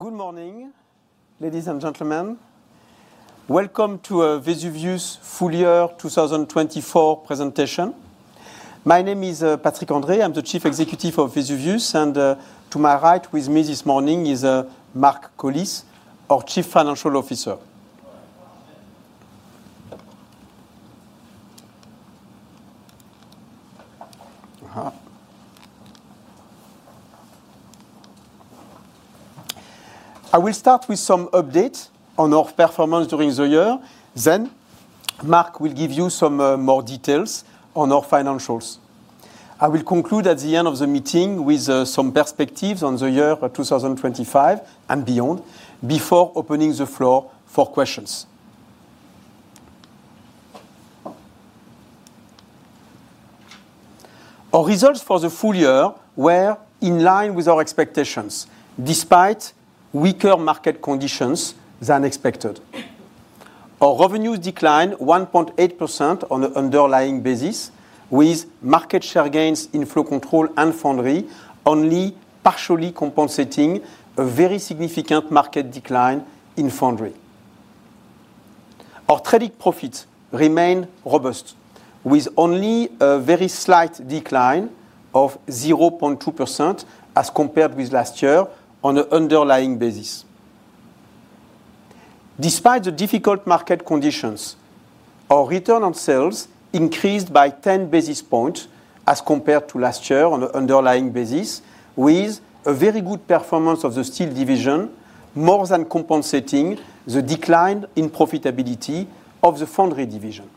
Good morning, ladies and gentlemen. Welcome to a Vesuvius full year 2024 presentation. My name is Patrick André. I'm the Chief Executive of Vesuvius, and to my right with me this morning is Mark Collis, our Chief Financial Officer. I will start with some updates on our performance during the year. Mark will give you some more details on our financials. I will conclude at the end of the meeting with some perspectives on the year 2025 and beyond before opening the floor for questions. Our results for the full year were in line with our expectations, despite weaker market conditions than expected. Our revenues declined 1.8% on an underlying basis, with market share gains in Flow Control and Foundry only partially compensating a very significant market decline in Foundry. Our trading profits remain robust, with only a very slight decline of 0.2% as compared with last year on an underlying basis. Despite the difficult market conditions, our return on sales increased by 10 basis points as compared to last year on an underlying basis, with a very good performance of the steel division, more than compensating the decline in profitability of the Foundry division.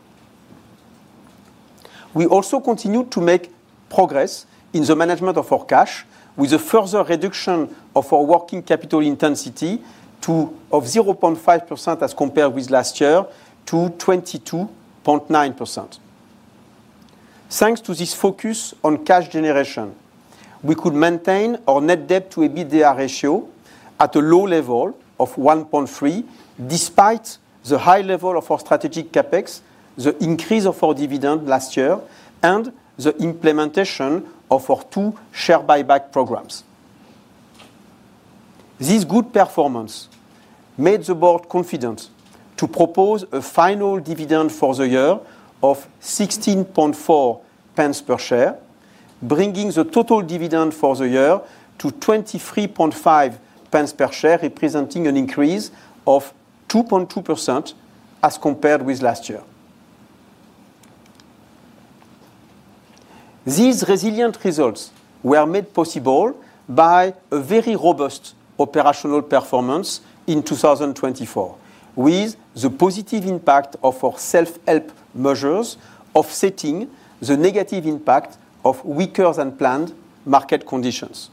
We also continued to make progress in the management of our cash, with a further reduction of our working capital intensity to 0.5% as compared with last year to 22.9%. Thanks to this focus on cash generation, we could maintain our net debt to EBITDA ratio at a low level of 1.3, despite the high level of our strategic CapEx, the increase of our dividend last year, and the implementation of our two share buyback programs. This good performance made the board confident to propose a final dividend for the year of 0.164 per share, bringing the total dividend for the year to 0.235 per share, representing an increase of 2.2% as compared with last year. These resilient results were made possible by a very robust operational performance in 2024, with the positive impact of our self-help measures offsetting the negative impact of weaker than planned market conditions.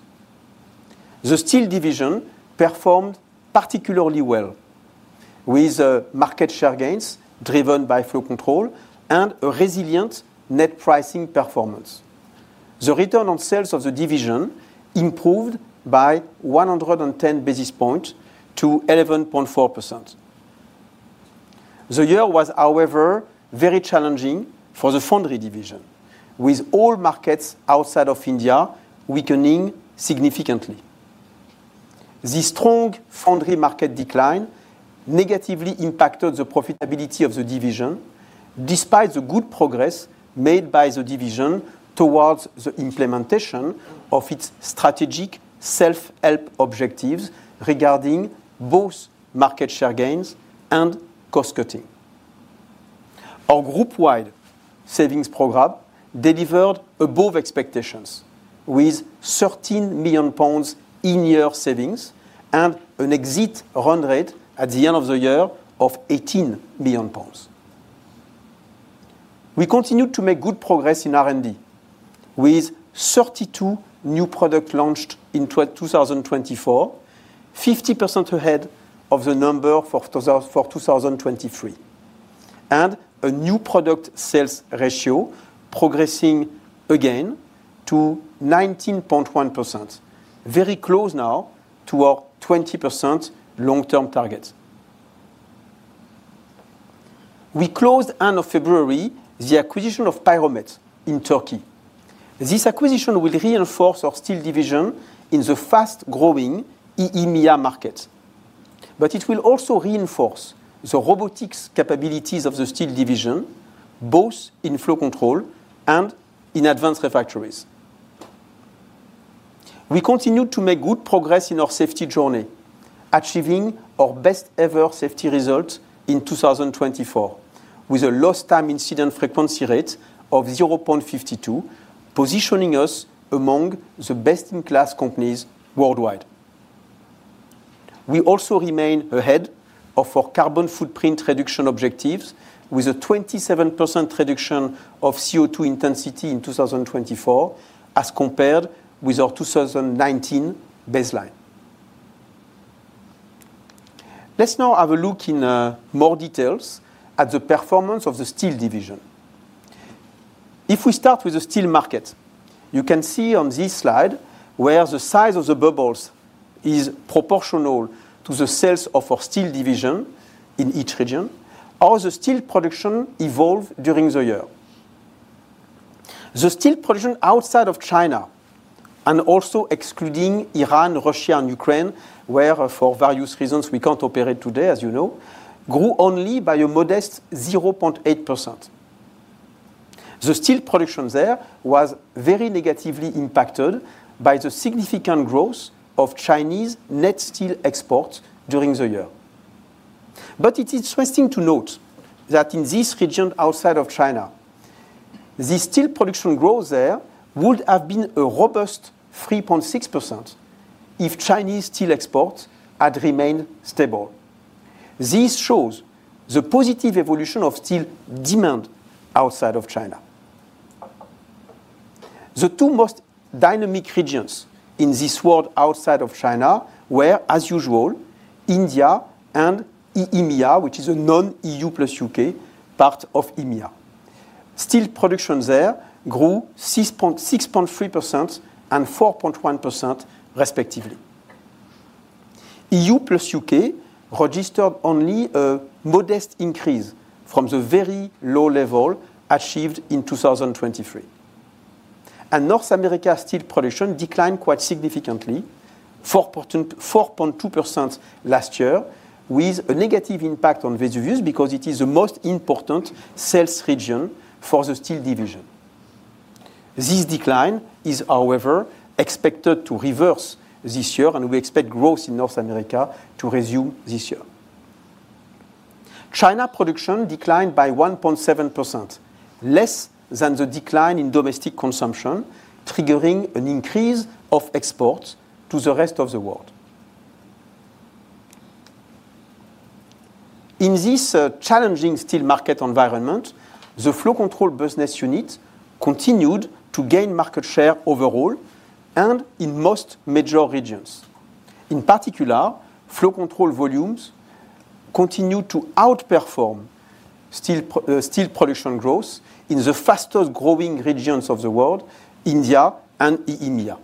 The steel division performed particularly well, with market share gains driven by Flow Control and a resilient net pricing performance. The return on sales of the division improved by 110 basis points to 11.4%. The year was, however, very challenging for the Foundry division, with all markets outside of India weakening significantly. The strong Foundry market decline negatively impacted the profitability of the division, despite the good progress made by the division towards the implementation of its strategic self-help objectives regarding both market share gains and cost cutting. Our group-wide savings program delivered above expectations, with 13 million pounds in year savings and an exit run rate at the end of the year of 18 million pounds. We continued to make good progress in R&D, with 32 new products launched in 2024, 50% ahead of the number for 2023, and a new product sales ratio progressing again to 19.1%, very close now to our 20% long-term target. We closed end of February the acquisition of piroMET in Turkey. This acquisition will reinforce our steel division in the fast-growing EEMEA market, but it will also reinforce the robotics capabilities of the steel division, both in Flow Control and in advanced refractories. We continued to make good progress in our safety journey, achieving our best-ever safety result in 2024, with a lost-time incident frequency rate of 0.52, positioning us among the best-in-class companies worldwide. We also remain ahead of our carbon footprint reduction objectives, with a 27% reduction of CO2 intensity in 2024, as compared with our 2019 baseline. Let's now have a look in more detail at the performance of the steel division. If we start with the steel market, you can see on this slide where the size of the bubbles is proportional to the sales of our steel division in each region, how the steel production evolved during the year. The steel production outside of China, and also excluding Iran, Russia, and Ukraine, where, for various reasons, we can't operate today, as you know, grew only by a modest 0.8%. The steel production there was very negatively impacted by the significant growth of Chinese net steel exports during the year. It is interesting to note that in this region outside of China, the steel production growth there would have been a robust 3.6% if Chinese steel exports had remained stable. This shows the positive evolution of steel demand outside of China. The two most dynamic regions in this world outside of China were, as usual, India and EEMEA, which is a non-E.U. plus U.K. part of EEMEA. Steel production there grew 6.3% and 4.1%, respectively. E.U. plus U.K. registered only a modest increase from the very low level achieved in 2023. North America's steel production declined quite significantly, 4.2% last year, with a negative impact on Vesuvius because it is the most important sales region for the steel division. This decline is, however, expected to reverse this year, and we expect growth in North America to resume this year. China production declined by 1.7%, less than the decline in domestic consumption, triggering an increase of exports to the rest of the world. In this challenging steel market environment, the Flow Control business unit continued to gain market share overall and in most major regions. In particular, Flow Control volumes continued to outperform steel production growth in the fastest-growing regions of the world, India and EEMEA.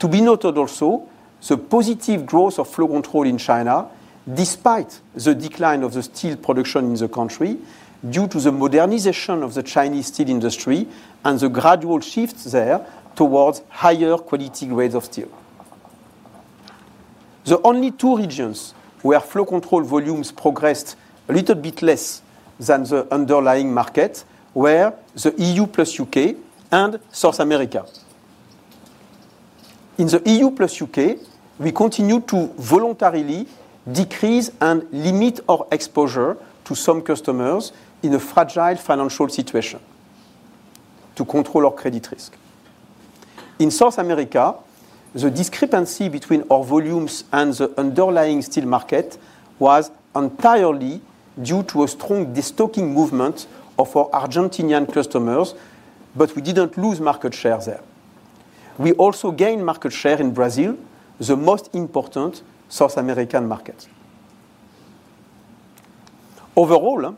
To be noted also, the positive growth of Flow Control in China, despite the decline of the steel production in the country, due to the modernization of the Chinese steel industry and the gradual shift there towards higher quality grades of steel. The only two regions where Flow Control volumes progressed a little bit less than the underlying market were the E.U. plus U.K. and South America. In the E.U. plus U.K., we continued to voluntarily decrease and limit our exposure to some customers in a fragile financial situation to control our credit risk. In South America, the discrepancy between our volumes and the underlying steel market was entirely due to a strong destocking movement of our Argentinian customers, but we did not lose market share there. We also gained market share in Brazil, the most important South American market. Overall,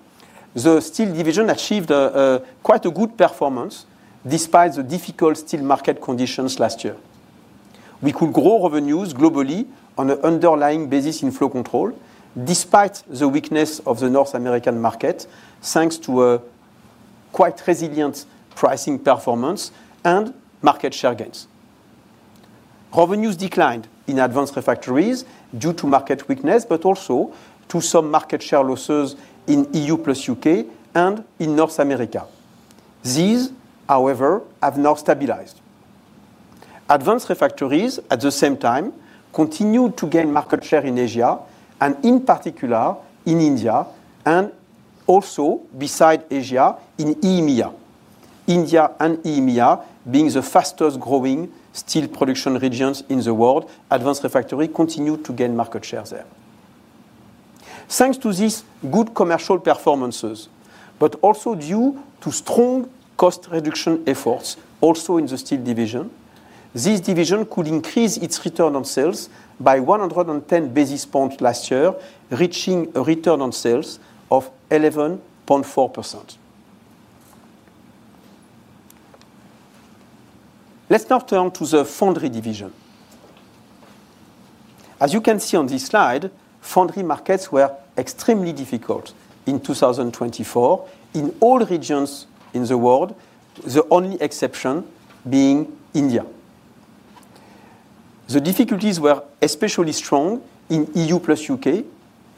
the steel division achieved quite a good performance despite the difficult steel market conditions last year. We could grow revenues globally on an underlying basis in Flow Control, despite the weakness of the North American market, thanks to quite resilient pricing performance and market share gains. Revenues declined in advanced refractories due to market weakness, but also to some market share losses in E.U. plus U.K. and in North America. These, however, have now stabilized. Advanced refractories, at the same time, continued to gain market share in Asia, and in particular in India, and also beside Asia in EEMEA. India and EEMEA being the fastest-growing steel production regions in the world, advanced refractories continued to gain market share there. Thanks to these good commercial performances, but also due to strong cost reduction efforts also in the steel division, this division could increase its return on sales by 110 basis points last year, reaching a return on sales of 11.4%. Let's now turn to the Foundry division. As you can see on this slide, Foundry markets were extremely difficult in 2024 in all regions in the world, the only exception being India. The difficulties were especially strong in E.U. plus U.K.,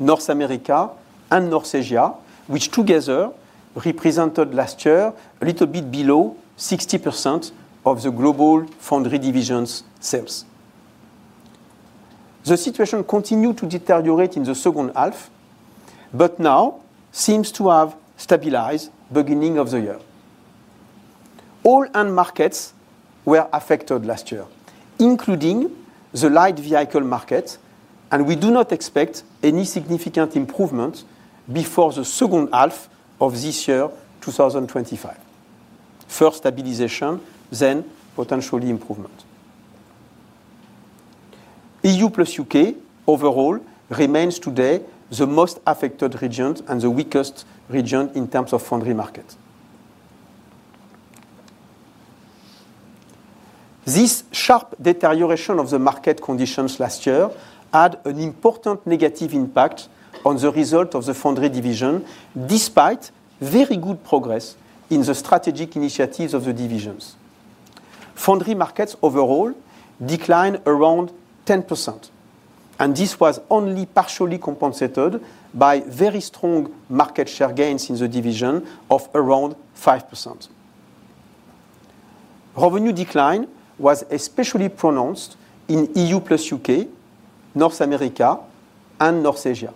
North America, and North Asia, which together represented last year a little bit below 60% of the global Foundry division's sales. The situation continued to deteriorate in the second half, but now seems to have stabilized at the beginning of the year. All end markets were affected last year, including the light vehicle market, and we do not expect any significant improvement before the second half of this year, 2025. First stabilization, then potentially improvement. E.U. plus U.K. overall remains today the most affected region and the weakest region in terms of Foundry market. This sharp deterioration of the market conditions last year had an important negative impact on the result of the Foundry division, despite very good progress in the strategic initiatives of the divisions. Foundry markets overall declined around 10%, and this was only partially compensated by very strong market share gains in the division of around 5%. Revenue decline was especially pronounced in E.U. plus U.K., North America, and North Asia.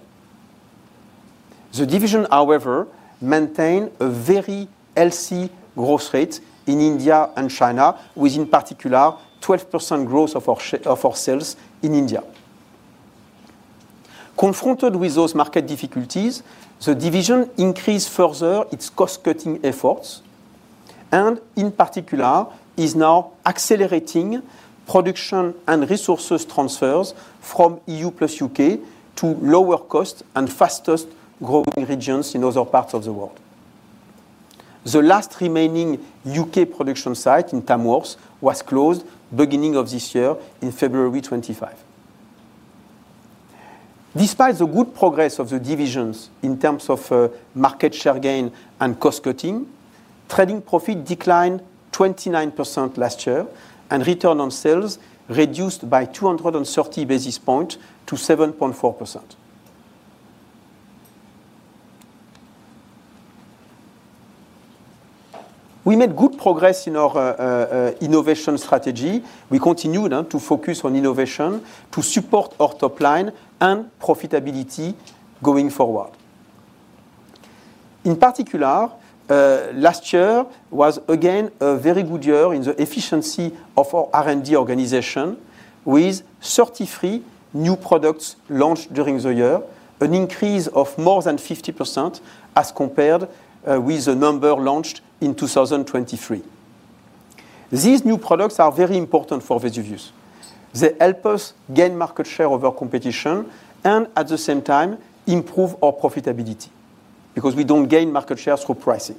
The division, however, maintained a very healthy growth rate in India and China, with, in particular, 12% growth of our sales in India. Confronted with those market difficulties, the division increased further its cost-cutting efforts and, in particular, is now accelerating production and resources transfers from E.U. plus U.K. to lower-cost and fastest-growing regions in other parts of the world. The last remaining U.K. production site in Tamworth was closed at the beginning of this year, in February 2025. Despite the good progress of the divisions in terms of market share gain and cost-cutting, trading profit declined 29% last year, and return on sales reduced by 230 basis points to 7.4%. We made good progress in our innovation strategy. We continue to focus on innovation to support our top line and profitability going forward. In particular, last year was again a very good year in the efficiency of our R&D organization, with 33 new products launched during the year, an increase of more than 50% as compared with the number launched in 2023. These new products are very important for Vesuvius. They help us gain market share over competition and, at the same time, improve our profitability because we don't gain market shares through pricing.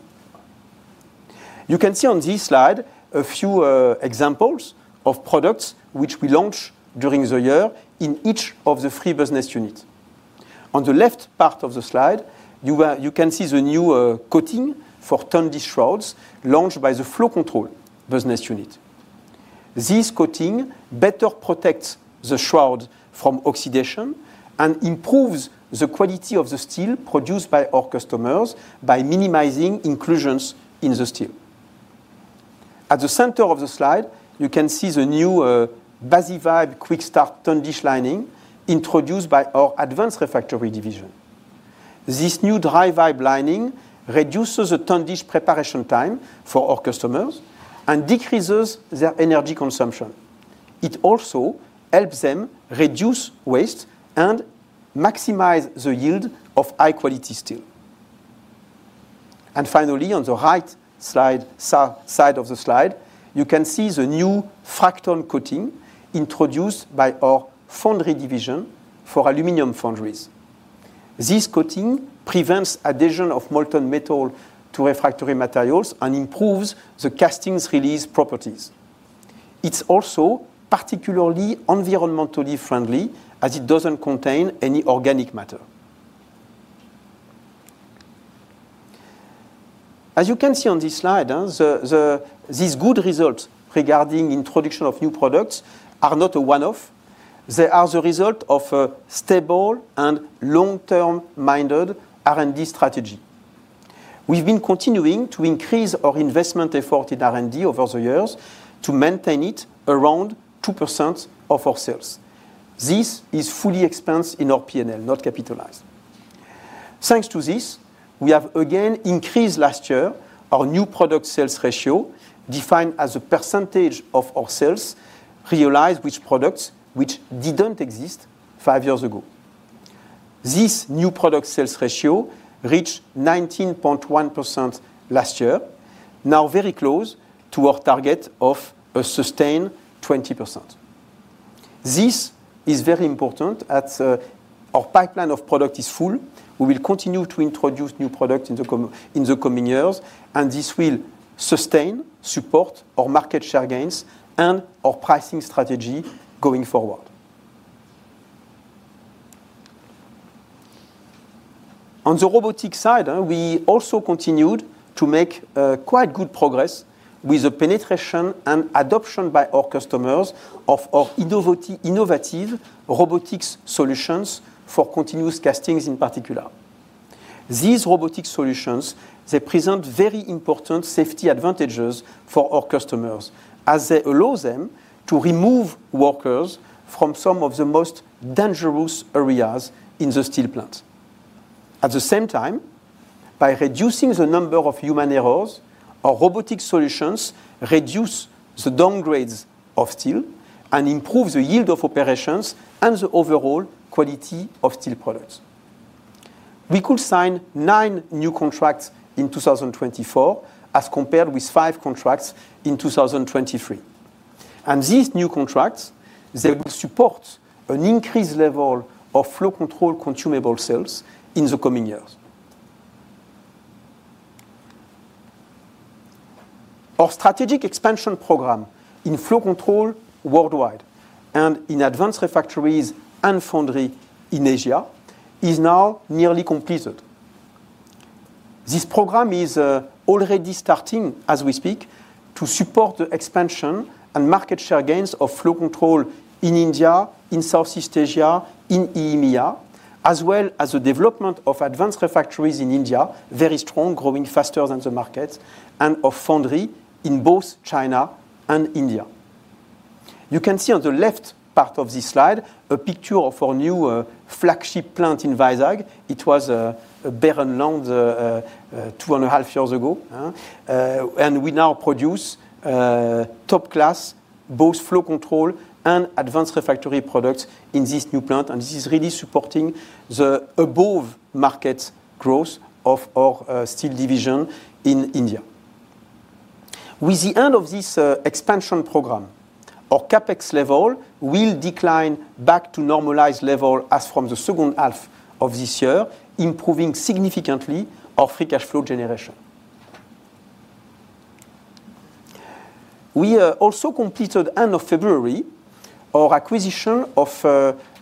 You can see on this slide a few examples of products which we launched during the year in each of the three business units. On the left part of the slide, you can see the new coating for turned shrouds launched by the Flow Control business unit. This coating better protects the shroud from oxidation and improves the quality of the steel produced by our customers by minimizing inclusions in the steel. At the center of the slide, you can see the new BASLITE QuickStart tundish lining introduced by our Advanced Refractories division. This new dry vibe lining reduces the tundish preparation time for our customers and decreases their energy consumption. It also helps them reduce waste and maximize the yield of high-quality steel. Finally, on the right side of the slide, you can see the new Fracton coating introduced by our Foundry division for aluminum foundries. This coating prevents addition of molten metal to refractory materials and improves the casting's release properties. It is also particularly environmentally friendly as it does not contain any organic matter. As you can see on this slide, these good results regarding the introduction of new products are not a one-off. They are the result of a stable and long-term-minded R&D strategy. We've been continuing to increase our investment effort in R&D over the years to maintain it around 2% of our sales. This is fully expensed in our P&L, not capitalized. Thanks to this, we have again increased last year our new product sales ratio, defined as a percentage of our sales realized with products which didn't exist five years ago. This new product sales ratio reached 19.1% last year, now very close to our target of a sustained 20%. This is very important as our pipeline of product is full. We will continue to introduce new products in the coming years, and this will sustain, support our market share gains and our pricing strategy going forward. On the robotics side, we also continued to make quite good progress with the penetration and adoption by our customers of our innovative robotics solutions for continuous castings in particular. These robotics solutions, they present very important safety advantages for our customers as they allow them to remove workers from some of the most dangerous areas in the steel plant. At the same time, by reducing the number of human errors, our robotics solutions reduce the downgrades of steel and improve the yield of operations and the overall quality of steel products. We could sign nine new contracts in 2024 as compared with five contracts in 2023. These new contracts, they will support an increased level of Flow Control consumable sales in the coming years. Our strategic expansion program in Flow Control worldwide and in advanced refractories and Foundry in Asia is now nearly completed. This program is already starting as we speak to support the expansion and market share gains of Flow Control in India, in Southeast Asia, in EEMEA, as well as the development of advanced refractories in India, very strong, growing faster than the market, and of Foundry in both China and India. You can see on the left part of this slide a picture of our new flagship plant in Visak. It was a barren land two and a half years ago, and we now produce top-class both Flow Control and advanced refractory products in this new plant, and this is really supporting the above-market growth of our steel division in India. With the end of this expansion program, our CapEx level will decline back to normalized level as from the second half of this year, improving significantly our free cash flow generation. We also completed end of February our acquisition of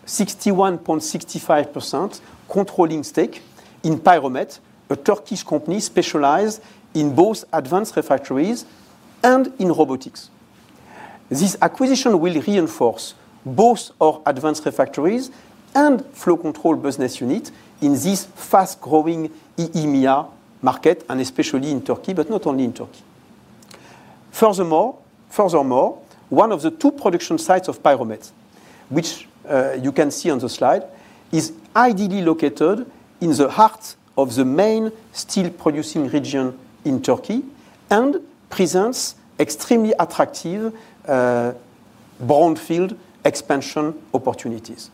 61.65% controlling stake in piroMET, a Turkish company specialized in both advanced refractories and in robotics. This acquisition will reinforce both our advanced refractories and Flow Control business unit in this fast-growing EEMEA market, and especially in Turkey, but not only in Turkey. Furthermore, one of the two production sites of piroMET, which you can see on the slide, is ideally located in the heart of the main steel-producing region in Turkey and presents extremely attractive brownfield expansion opportunities.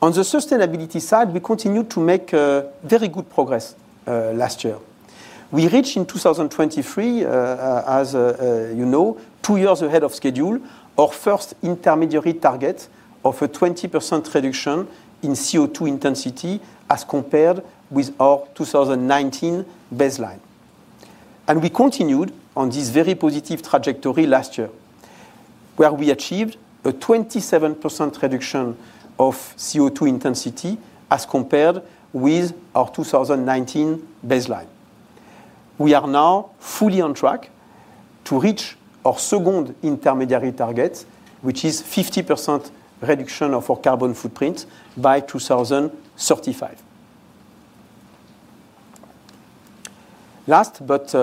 On the sustainability side, we continued to make very good progress last year. We reached in 2023, as you know, two years ahead of schedule, our first intermediary target of a 20% reduction in CO2 intensity as compared with our 2019 baseline. We continued on this very positive trajectory last year, where we achieved a 27% reduction of CO2 intensity as compared with our 2019 baseline. We are now fully on track to reach our second intermediary target, which is 50% reduction of our carbon footprint by 2035. Last, but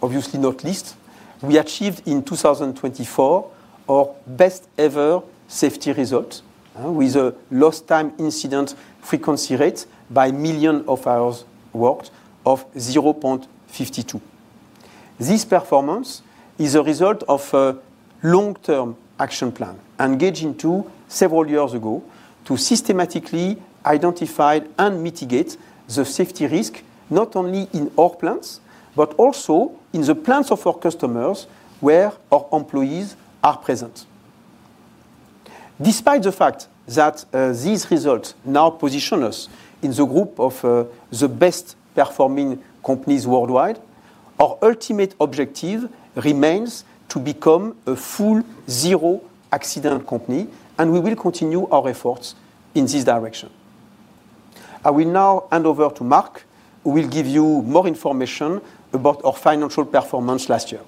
obviously not least, we achieved in 2024 our best-ever safety result with a lost-time incident frequency rate by million of hours worked of 0.52. This performance is a result of a long-term action plan engaged into several years ago to systematically identify and mitigate the safety risk not only in our plants, but also in the plants of our customers where our employees are present. Despite the fact that these results now position us in the group of the best-performing companies worldwide, our ultimate objective remains to become a full zero-accident company, and we will continue our efforts in this direction. I will now hand over to Mark, who will give you more information about our financial performance last year.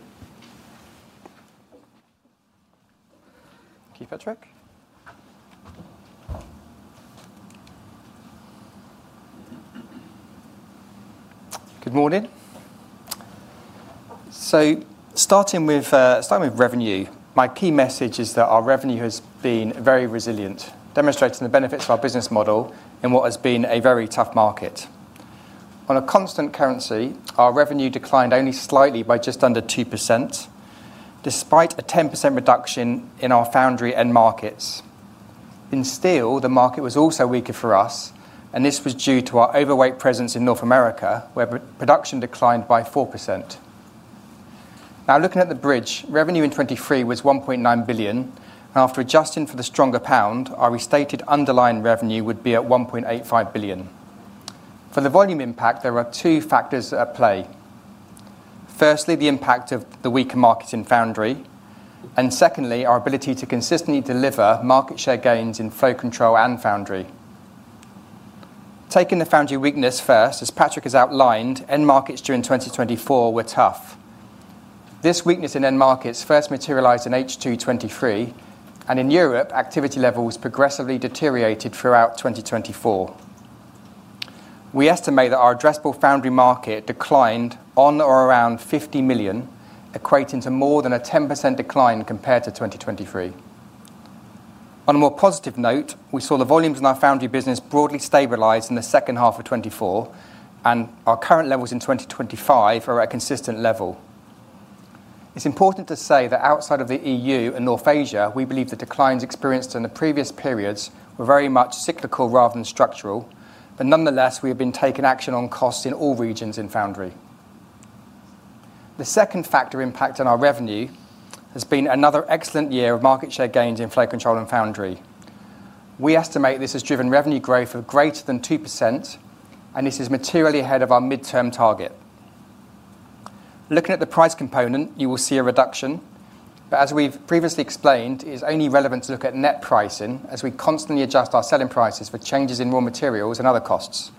Okay, Patrick. Good morning. Starting with revenue, my key message is that our revenue has been very resilient, demonstrating the benefits of our business model in what has been a very tough market. On a constant currency, our revenue declined only slightly by just under 2%, despite a 10% reduction in our Foundry and markets. In steel, the market was also weaker for us, and this was due to our overweight presence in North America, where production declined by 4%. Now, looking at the bridge, revenue in 2023 was 1.9 billion, and after adjusting for the stronger pound, our restated underlying revenue would be at 1.85 billion. For the volume impact, there are two factors at play. Firstly, the impact of the weaker market in Foundry, and secondly, our ability to consistently deliver market share gains in Flow Control and Foundry. Taking the Foundry weakness first, as Patrick has outlined, end markets during 2024 were tough. This weakness in end markets first materialized in the second half of 2023, and in Europe, activity levels progressively deteriorated throughout 2024. We estimate that our addressable Foundry market declined on or around 50 million, equating to more than a 10% decline compared to 2023. On a more positive note, we saw the volumes in our Foundry business broadly stabilize in the second half of 2024, and our current levels in 2025 are at a consistent level. It's important to say that outside of the E.U. and North Asia, we believe the declines experienced in the previous periods were very much cyclical rather than structural. Nonetheless, we have been taking action on costs in all regions in Foundry. The second factor impact on our revenue has been another excellent year of market share gains in Flow Control and Foundry. We estimate this has driven revenue growth of greater than 2%, and this is materially ahead of our midterm target. Looking at the price component, you will see a reduction, but as we've previously explained, it is only relevant to look at net pricing as we constantly adjust our selling prices for changes in raw materials and other costs.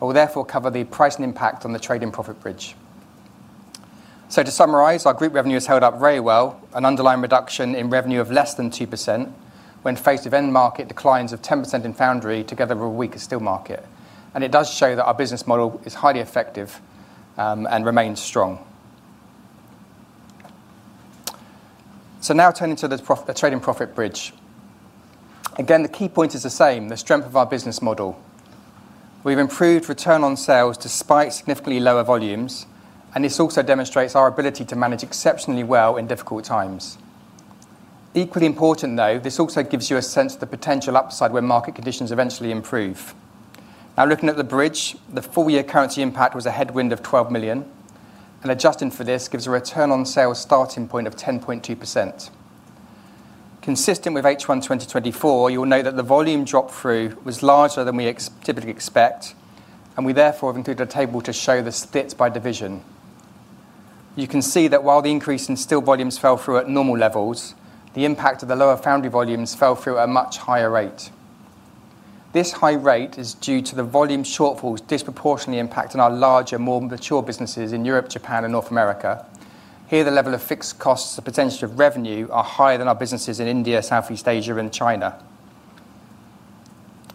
I will therefore cover the price and impact on the trade-in profit bridge. To summarize, our group revenue has held up very well, an underlying reduction in revenue of less than 2% when faced with end market declines of 10% in Foundry together with a weaker steel market. It does show that our business model is highly effective and remains strong. Now turning to the trade-in profit bridge. Again, the key point is the same, the strength of our business model. We have improved return on sales despite significantly lower volumes, and this also demonstrates our ability to manage exceptionally well in difficult times. Equally important, though, this also gives you a sense of the potential upside when market conditions eventually improve. Now, looking at the bridge, the full-year currency impact was a headwind of 12 million, and adjusting for this gives a return on sales starting point of 10.2%. Consistent with H1 2024, you will note that the volume drop through was larger than we typically expect, and we therefore have included a table to show the split by division. You can see that while the increase in steel volumes fell through at normal levels, the impact of the lower Foundry volumes fell through at a much higher rate. This high rate is due to the volume shortfalls disproportionately impacting our larger, more mature businesses in Europe, Japan, and North America. Here, the level of fixed costs and potential of revenue are higher than our businesses in India, Southeast Asia, and China.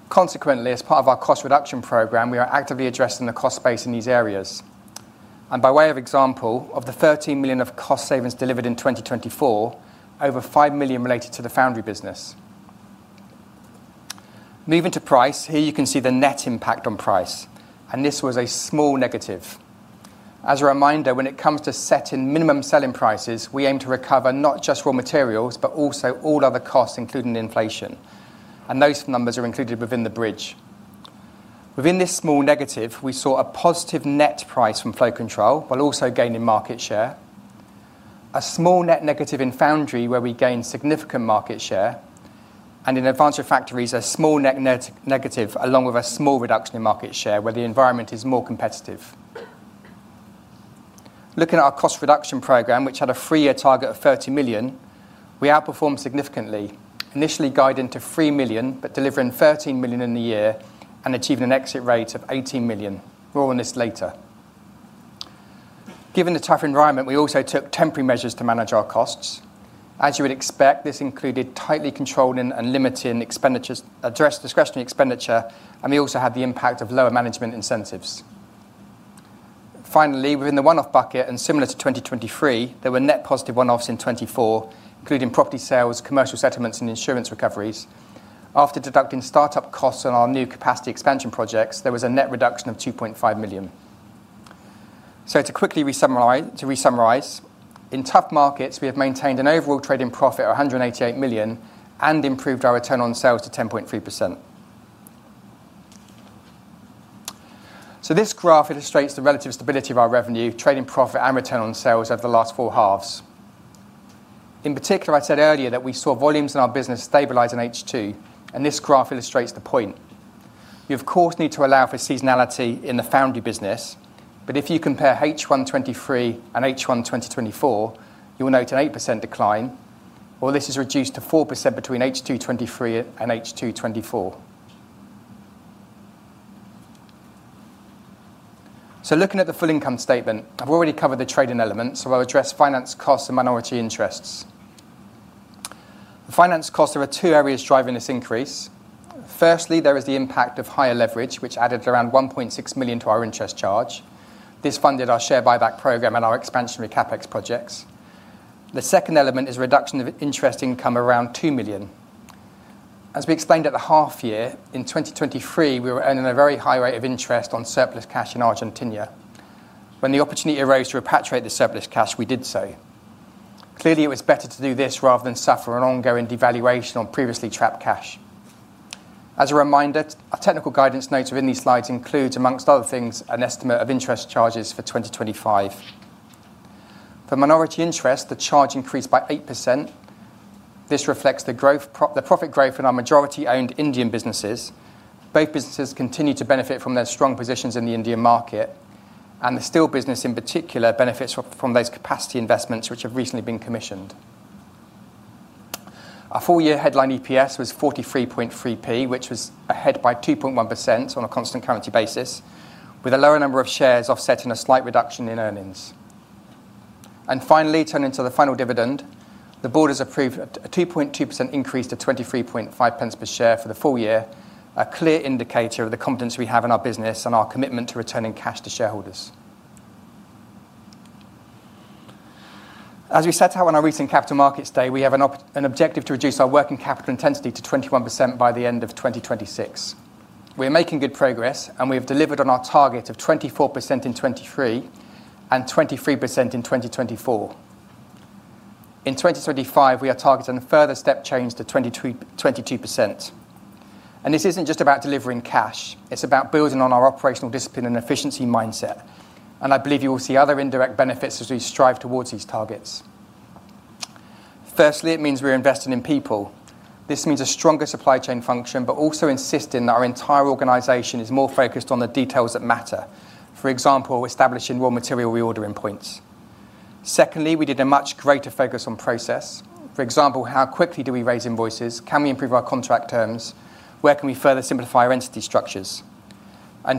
Consequently, as part of our cost reduction program, we are actively addressing the cost space in these areas. By way of example, of the 13 million of cost savings delivered in 2024, over 5 million related to the Foundry business. Moving to price, here you can see the net impact on price, and this was a small negative. As a reminder, when it comes to setting minimum selling prices, we aim to recover not just raw materials, but also all other costs, including inflation. Those numbers are included within the bridge. Within this small negative, we saw a positive net price from Flow Control while also gaining market share, a small net negative in Foundry where we gained significant market share, and in Advanced Refractories, a small net negative along with a small reduction in market share where the environment is more competitive. Looking at our cost reduction program, which had a three-year target of 30 million, we outperformed significantly, initially guiding to 3 million, but delivering 13 million in a year and achieving an exit rate of 18 million. More on this later. Given the tough environment, we also took temporary measures to manage our costs. As you would expect, this included tightly controlling and limiting discretionary expenditure, and we also had the impact of lower management incentives. Finally, within the one-off bucket, and similar to 2023, there were net positive one-offs in 2024, including property sales, commercial settlements, and insurance recoveries. After deducting startup costs on our new capacity expansion projects, there was a net reduction of 2.5 million. To quickly resummarize, in tough markets, we have maintained an overall trading profit of 188 million and improved our return on sales to 10.3%. This graph illustrates the relative stability of our revenue, trading profit, and return on sales over the last four halves. In particular, I said earlier that we saw volumes in our business stabilize in H2, and this graph illustrates the point. You, of course, need to allow for seasonality in the Foundry business, but if you compare H1 2023 and H1 2024, you will note an 8% decline, or this is reduced to 4% between H2 2023 and H2 2024. Looking at the full income statement, I have already covered the trade-in element, so I will address finance costs and minority interests. The finance costs are two areas driving this increase. Firstly, there is the impact of higher leverage, which added around 1.6 million to our interest charge. This funded our share buyback program and our expansionary CapEx projects. The second element is reduction of interest income around 2 million. As we explained at the half year, in 2023, we were earning a very high rate of interest on surplus cash in Argentina. When the opportunity arose to repatriate the surplus cash, we did so. Clearly, it was better to do this rather than suffer an ongoing devaluation on previously trapped cash. As a reminder, our technical guidance notes within these slides include, amongst other things, an estimate of interest charges for 2025. For minority interest, the charge increased by 8%. This reflects the profit growth in our majority-owned Indian businesses. Both businesses continue to benefit from their strong positions in the Indian market, and the steel business in particular benefits from those capacity investments which have recently been commissioned. Our full-year headline EPS was 0.433, which was ahead by 2.1% on a constant currency basis, with a lower number of shares offsetting a slight reduction in earnings. Finally, turning to the final dividend, the board has approved a 2.2% increase to 0.235 per share for the full year, a clear indicator of the confidence we have in our business and our commitment to returning cash to shareholders. As we set out on our recent capital markets day, we have an objective to reduce our working capital intensity to 21% by the end of 2026. We are making good progress, and we have delivered on our target of 24% in 2023 and 23% in 2024. In 2025, we are targeting a further step change to 22%. This is not just about delivering cash; it is about building on our operational discipline and efficiency mindset. I believe you will see other indirect benefits as we strive towards these targets. Firstly, it means we are investing in people. This means a stronger supply chain function, but also insisting that our entire organization is more focused on the details that matter. For example, establishing raw material reordering points. Secondly, we did a much greater focus on process. For example, how quickly do we raise invoices? Can we improve our contract terms? Where can we further simplify our entity structures?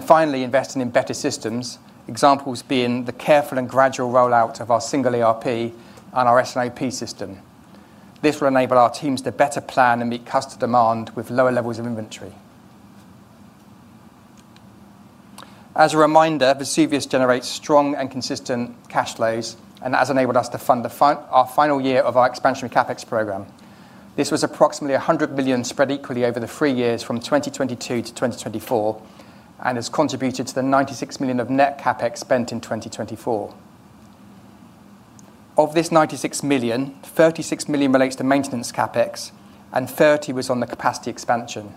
Finally, investing in better systems, examples being the careful and gradual rollout of our single ERP and our SAP system. This will enable our teams to better plan and meet customer demand with lower levels of inventory. As a reminder, Vesuvius generates strong and consistent cash flows and has enabled us to fund our final year of our expansionary CapEx program. This was approximately 100 million spread equally over the three years from 2022 to 2024 and has contributed to the 96 million of net CapEx spent in 2024. Of this 96 million, 36 million relates to maintenance CapEx, and 30 million was on the capacity expansion.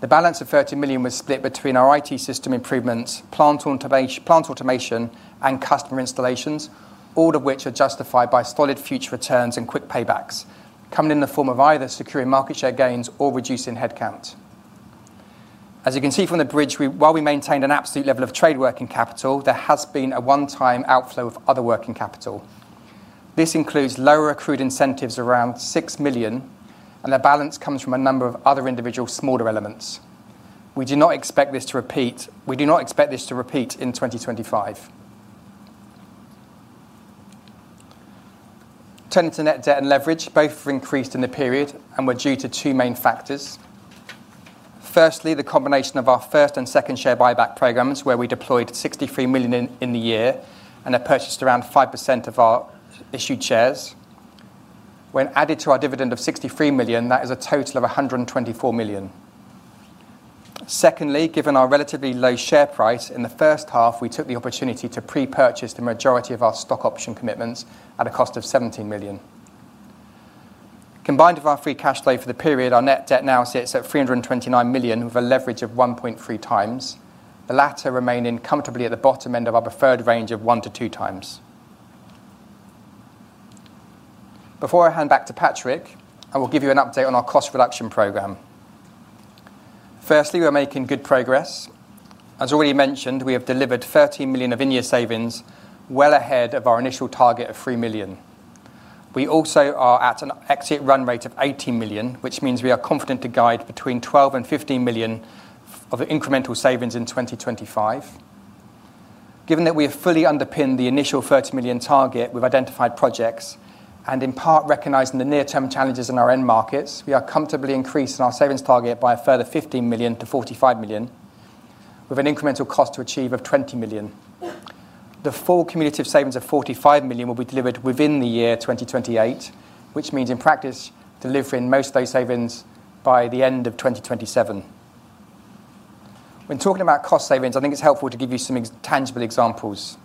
The balance of 30 million was split between our IT system improvements, plant automation, and customer installations, all of which are justified by solid future returns and quick paybacks, coming in the form of either securing market share gains or reducing headcount. As you can see from the bridge, while we maintained an absolute level of trade working capital, there has been a one-time outflow of other working capital. This includes lower accrued incentives around 6 million, and the balance comes from a number of other individual smaller elements. We do not expect this to repeat; we do not expect this to repeat in 2025. Turning to net debt and leverage, both have increased in the period and were due to two main factors. Firstly, the combination of our first and second share buyback programs, where we deployed 63 million in the year and have purchased around 5% of our issued shares. When added to our dividend of 63 million, that is a total of 124 million. Secondly, given our relatively low share price, in the first half, we took the opportunity to pre-purchase the majority of our stock option commitments at a cost of 17 million. Combined with our free cash flow for the period, our net debt now sits at 329 million with a leverage of 1.3 times. The latter remaining comfortably at the bottom end of our preferred range of one to two times. Before I hand back to Patrick, I will give you an update on our cost reduction program. Firstly, we're making good progress. As already mentioned, we have delivered 13 million of in-year savings, well ahead of our initial target of 3 million. We also are at an exit run rate of 18 million, which means we are confident to guide between 12-15 million of incremental savings in 2025. Given that we have fully underpinned the initial 30 million target with identified projects and in part recognizing the near-term challenges in our end markets, we are comfortably increasing our savings target by a further 15 million to 45 million, with an incremental cost to achieve of 20 million. The full cumulative savings of 45 million will be delivered within the year 2028, which means in practice delivering most of those savings by the end of 2027. When talking about cost savings, I think it's helpful to give you some tangible examples.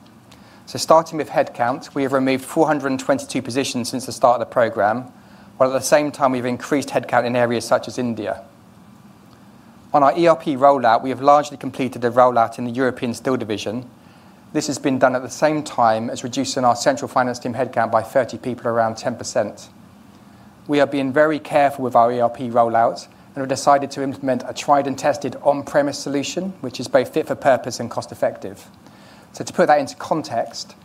Starting with headcount, we have removed 422 positions since the start of the program, while at the same time we've increased headcount in areas such as India. On our ERP rollout, we have largely completed the rollout in the European steel division. This has been done at the same time as reducing our central finance team headcount by 30 people, around 10%. We are being very careful with our ERP rollouts and have decided to implement a tried-and-tested on-premise solution, which is both fit for purpose and cost-effective. To put that into context,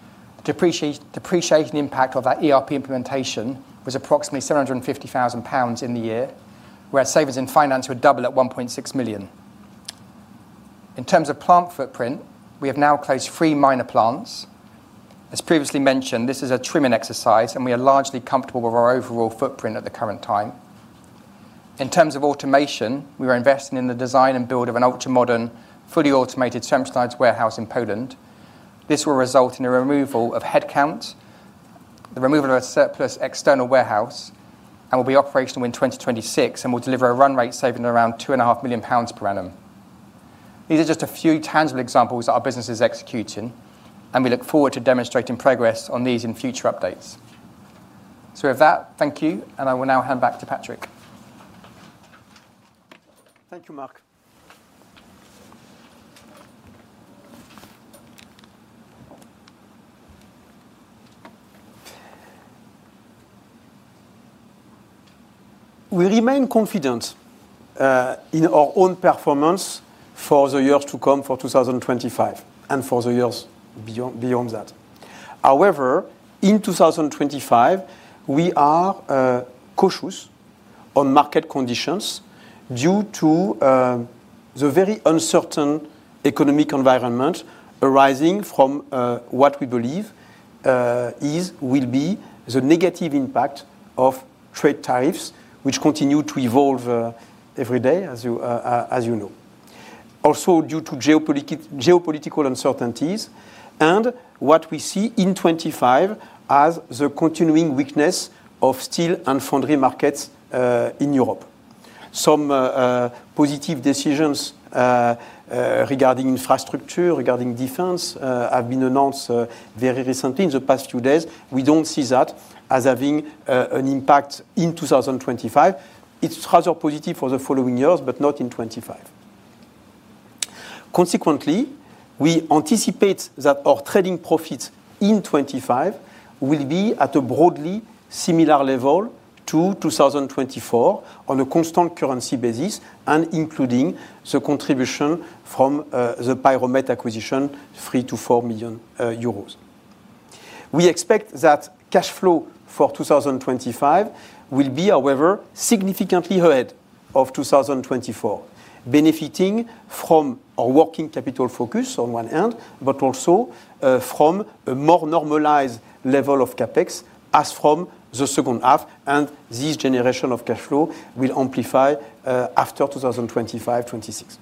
the depreciation impact of that ERP implementation was approximately 750,000 pounds in the year, where savings in finance would double at 1.6 million. In terms of plant footprint, we have now closed three minor plants. As previously mentioned, this is a trimming exercise, and we are largely comfortable with our overall footprint at the current time. In terms of automation, we are investing in the design and build of an ultra-modern, fully automated centralized warehouse in Poland. This will result in a removal of headcount, the removal of a surplus external warehouse, and will be operational in 2026 and will deliver a run rate saving of around 2.5 million pounds per annum. These are just a few tangible examples that our business is executing, and we look forward to demonstrating progress on these in future updates. Thank you, and I will now hand back to Patrick. Thank you, Mark. We remain confident in our own performance for the years to come, for 2025 and for the years beyond that. However, in 2025, we are cautious on market conditions due to the very uncertain economic environment arising from what we believe will be the negative impact of trade tariffs, which continue to evolve every day, as you know. Also, due to geopolitical uncertainties and what we see in 2025 as the continuing weakness of steel and Foundry markets in Europe. Some positive decisions regarding infrastructure, regarding defense, have been announced very recently in the past few days. We do not see that as having an impact in 2025. It is rather positive for the following years, but not in 2025. Consequently, we anticipate that our trading profits in 2025 will be at a broadly similar level to 2024 on a constant currency basis, including the contribution from the piroMET acquisition, 3 million-4 million euros. We expect that cash flow for 2025 will be, however, significantly ahead of 2024, benefiting from our working capital focus on one hand, but also from a more normalized level of CapEx as from the second half, and this generation of cash flow will amplify after 2025-2026.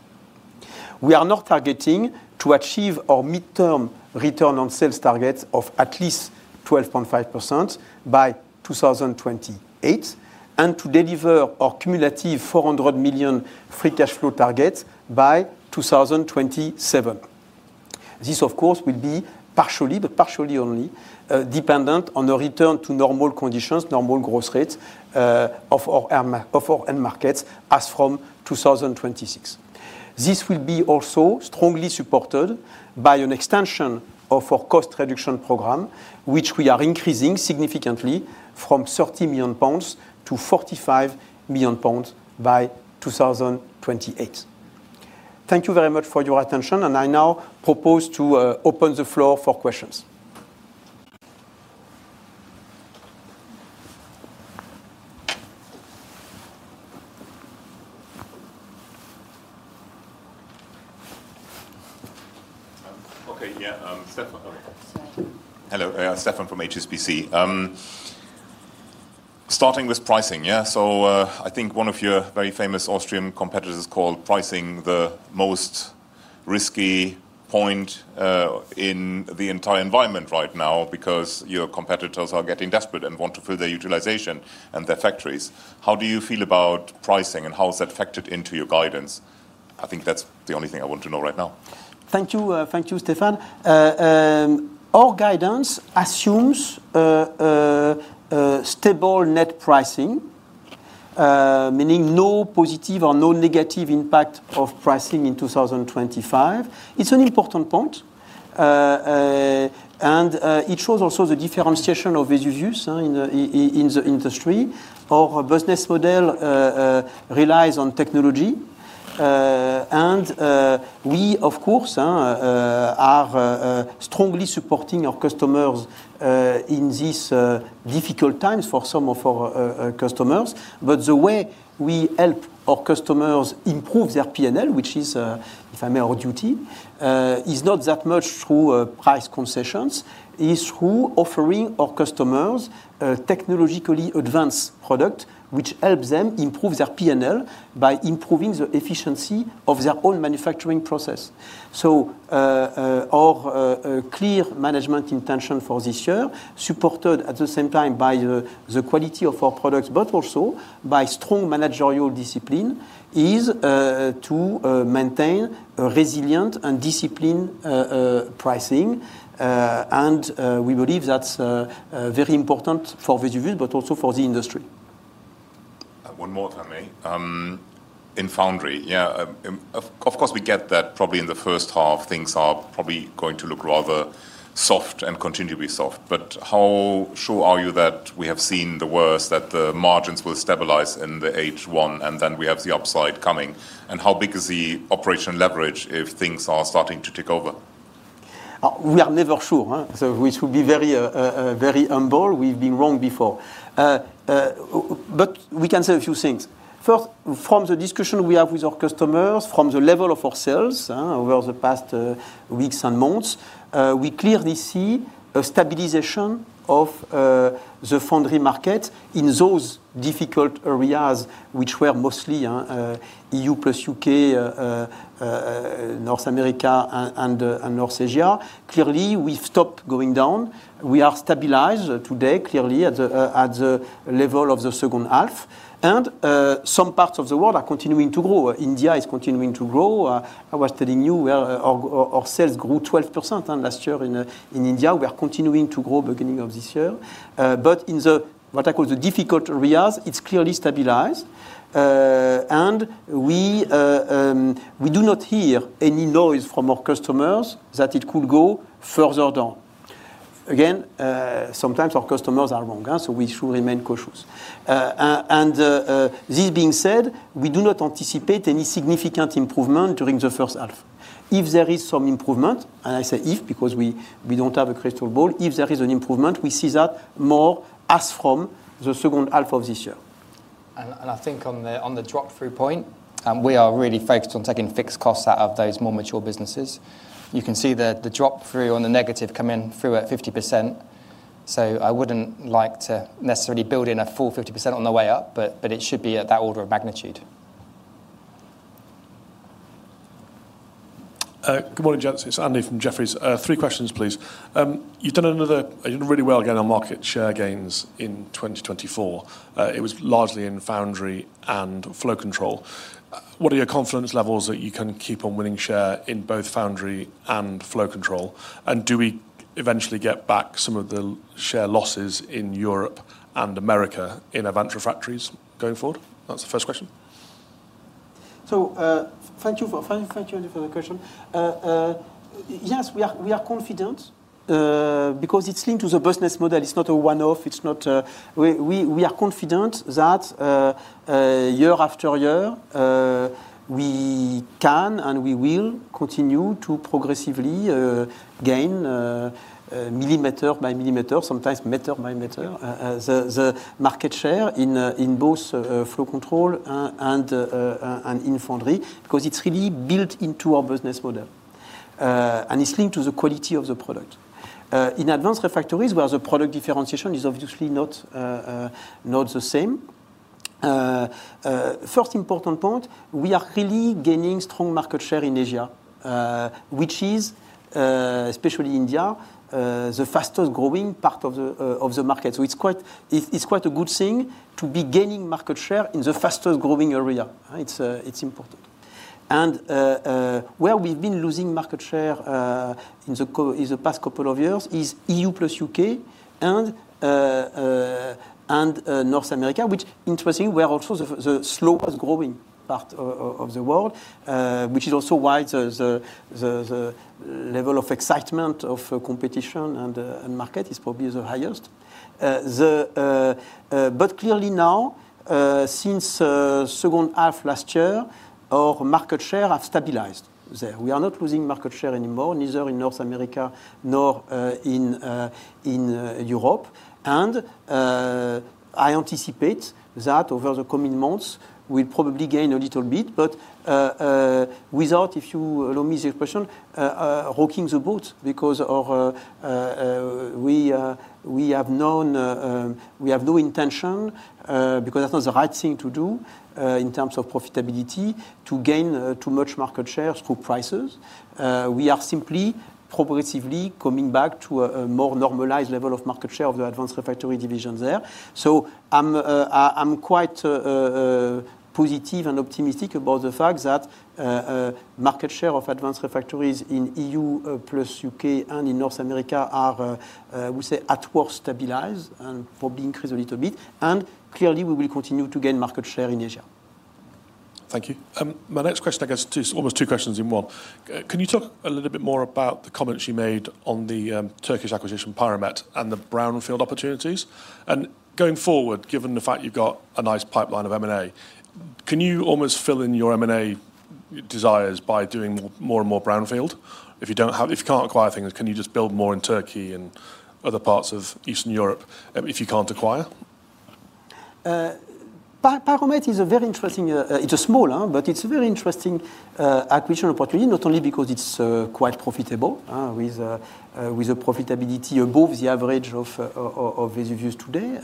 We are now targeting to achieve our midterm return on sales target of at least 12.5% by 2028 and to deliver our cumulative 400 million free cash flow target by 2027. This, of course, will be partially, but partially only, dependent on the return to normal conditions, normal growth rates of our end markets as from 2026. This will be also strongly supported by an extension of our cost reduction program, which we are increasing significantly from 30 million pounds to 45 million pounds by 2028. Thank you very much for your attention, and I now propose to open the floor for questions. Okay, yeah, Stephan. Hello, Stephan from HSBC. Starting with pricing, yeah, I think one of your very famous Austrian competitors called pricing the most risky point in the entire environment right now because your competitors are getting desperate and want to fill their utilization and their factories. How do you feel about pricing, and how has that factored into your guidance? I think that's the only thing I want to know right now. Thank you, Stephan. Our guidance assumes stable net pricing, meaning no positive or no negative impact of pricing in 2025. It's an important point, and it shows also the differentiation of Vesuvius in the industry. Our business model relies on technology, and we, of course, are strongly supporting our customers in these difficult times for some of our customers. The way we help our customers improve their P&L, which is, if I may, our duty, is not that much through price concessions. It is through offering our customers technologically advanced products, which help them improve their P&L by improving the efficiency of their own manufacturing process. Our clear management intention for this year, supported at the same time by the quality of our products, but also by strong managerial discipline, is to maintain a resilient and disciplined pricing, and we believe that's very important for Vesuvius, but also for the industry. One more, if I may. In Foundry, yeah, of course, we get that probably in the first half, things are probably going to look rather soft and continue to be soft. How sure are you that we have seen the worst, that the margins will stabilize in the first half and then we have the upside coming? How big is the operational leverage if things are starting to take over? We are never sure. We should be very humble. We've been wrong before. We can say a few things. First, from the discussion we have with our customers, from the level of our sales over the past weeks and months, we clearly see a stabilization of the Foundry market in those difficult areas, which were mostly E.U. plus U.K., North America, and North Asia. Clearly, we've stopped going down. We are stabilized today, clearly, at the level of the second half, and some parts of the world are continuing to grow. India is continuing to grow. I was telling you where our sales grew 12% last year in India. We are continuing to grow at the beginning of this year. In what I call the difficult areas, it is clearly stabilized, and we do not hear any noise from our customers that it could go further down. Sometimes our customers are wrong, so we should remain cautious. This being said, we do not anticipate any significant improvement during the first half. If there is some improvement, and I say if because we do not have a crystal ball, if there is an improvement, we see that more as from the second half of this year. I think on the drop-through point, we are really focused on taking fixed costs out of those more mature businesses. You can see the drop-through on the negative coming through at 50%. I would not like to necessarily build in a full 50% on the way up, but it should be at that order of magnitude. Good morning, gents. It's Andy from Jefferies. Three questions, please. You've done really well getting our market share gains in 2024. It was largely in Foundry and Flow Control. What are your confidence levels that you can keep on winning share in both Foundry and Flow Control? And do we eventually get back some of the share losses in Europe and America in advanced refractories going forward? That's the first question. Thank you, Andy, for the question. Yes, we are confident because it's linked to the business model. It's not a one-off. We are confident that year after year, we can and we will continue to progressively gain millimeter by millimeter, sometimes meter by meter, the market share in both Flow Control and in Foundry because it's really built into our business model, and it's linked to the quality of the product. In advanced refractories, where the product differentiation is obviously not the same, first important point, we are clearly gaining strong market share in Asia, which is, especially India, the fastest growing part of the market. It's quite a good thing to be gaining market share in the fastest growing area. It's important. Where we've been losing market share in the past couple of years is E.U. plus U.K. and North America, which, interestingly, were also the slowest growing part of the world, which is also why the level of excitement of competition and market is probably the highest. Clearly now, since the second half last year, our market share has stabilized there. We are not losing market share anymore, neither in North America nor in Europe. I anticipate that over the coming months, we'll probably gain a little bit, but without, if you allow me the expression, rocking the boat because we have no intention, because that's not the right thing to do in terms of profitability, to gain too much market share through prices. We are simply progressively coming back to a more normalized level of market share of the advanced refractories division there. I'm quite positive and optimistic about the fact that market share of advanced refractories in E.U. plus U.K. and in North America are, we say, at worst stabilized and probably increased a little bit. Clearly, we will continue to gain market share in Asia. Thank you. My next question, I guess, is almost two questions in one. Can you talk a little bit more about the comments you made on the Turkish acquisition, piroMET, and the brownfield opportunities? Going forward, given the fact you've got a nice pipeline of M&A, can you almost fill in your M&A desires by doing more and more brownfield? If you can't acquire things, can you just build more in Turkey and other parts of Eastern Europe if you can't acquire? piroMET is a very interesting—it's a small, but it's a very interesting acquisition opportunity, not only because it's quite profitable, with a profitability above the average of Vesuvius today,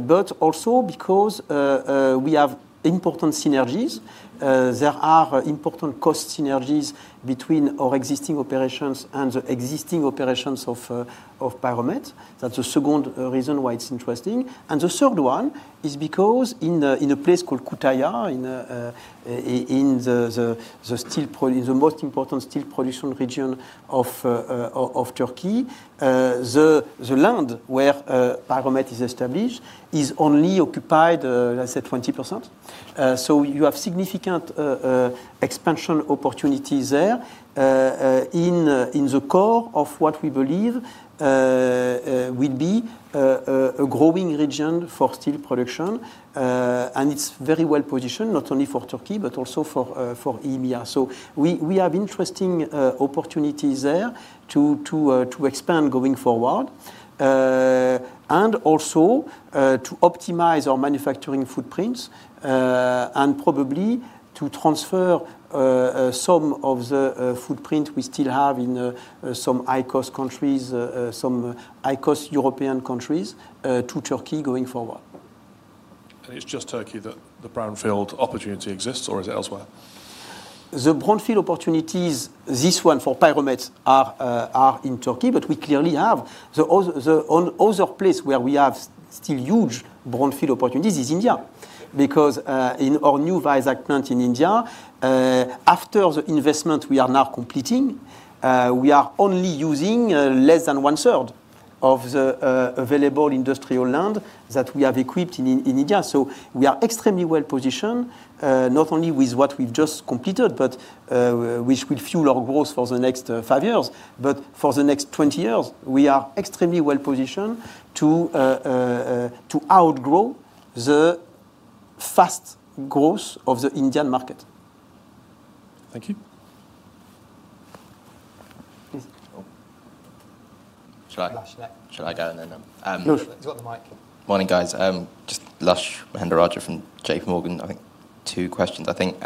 but also because we have important synergies. There are important cost synergies between our existing operations and the existing operations of piroMET. That's the second reason why it's interesting. The third one is because in a place called Kütahya, in the most important steel production region of Turkey, the land where piroMET is established is only occupied, let's say, 20%. You have significant expansion opportunities there in the core of what we believe will be a growing region for steel production. It is very well positioned, not only for Turkey, but also for EEMEA. We have interesting opportunities there to expand going forward and also to optimize our manufacturing footprints and probably to transfer some of the footprint we still have in some high-cost countries, some high-cost European countries to Turkey going forward. Is it just Turkey that the brownfield opportunity exists, or is it elsewhere? The brownfield opportunities, this one for piroMET, are in Turkey, but we clearly have the other place where we have still huge brownfield opportunities is India. Because in our new Visak plant in India, after the investment we are now completing, we are only using less than one-third of the available industrial land that we have equipped in India. We are extremely well positioned, not only with what we've just completed, which will fuel our growth for the next five years, but for the next 20 years, we are extremely well positioned to outgrow the fast growth of the Indian market. Thank you. Shall I go? No, you've got the mic. Morning, guys. Just Lush Mahendrarajah from JPMorgan. I think two questions, I think.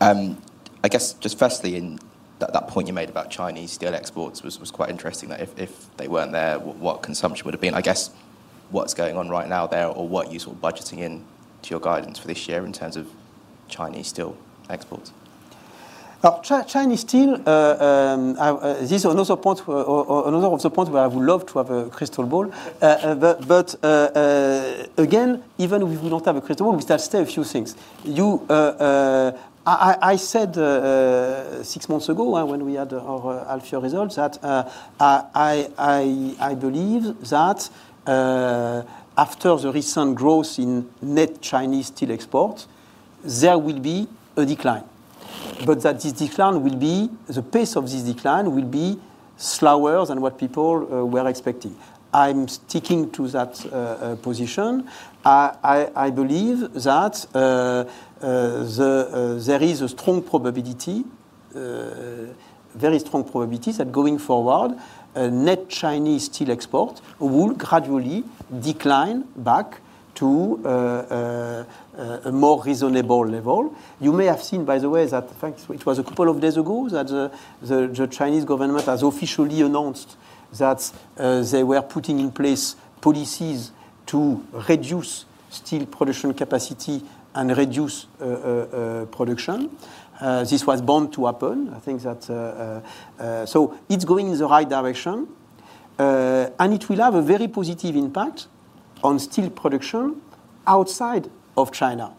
I guess just firstly, that point you made about Chinese steel exports was quite interesting. If they weren't there, what consumption would have been? I guess what's going on right now there, or what are you sort of budgeting into your guidance for this year in terms of Chinese steel exports? Chinese steel, this is another of the points where I would love to have a crystal ball. Even if we don't have a crystal ball, we still have a few things. I said six months ago when we had our half results that I believe that after the recent growth in net Chinese steel exports, there will be a decline. That this decline will be, the pace of this decline will be slower than what people were expecting. I'm sticking to that position. I believe that there is a strong probability, very strong probability that going forward, net Chinese steel exports will gradually decline back to a more reasonable level. You may have seen, by the way, that it was a couple of days ago that the Chinese government has officially announced that they were putting in place policies to reduce steel production capacity and reduce production. This was bound to happen. I think that it is going in the right direction. It will have a very positive impact on steel production outside of China.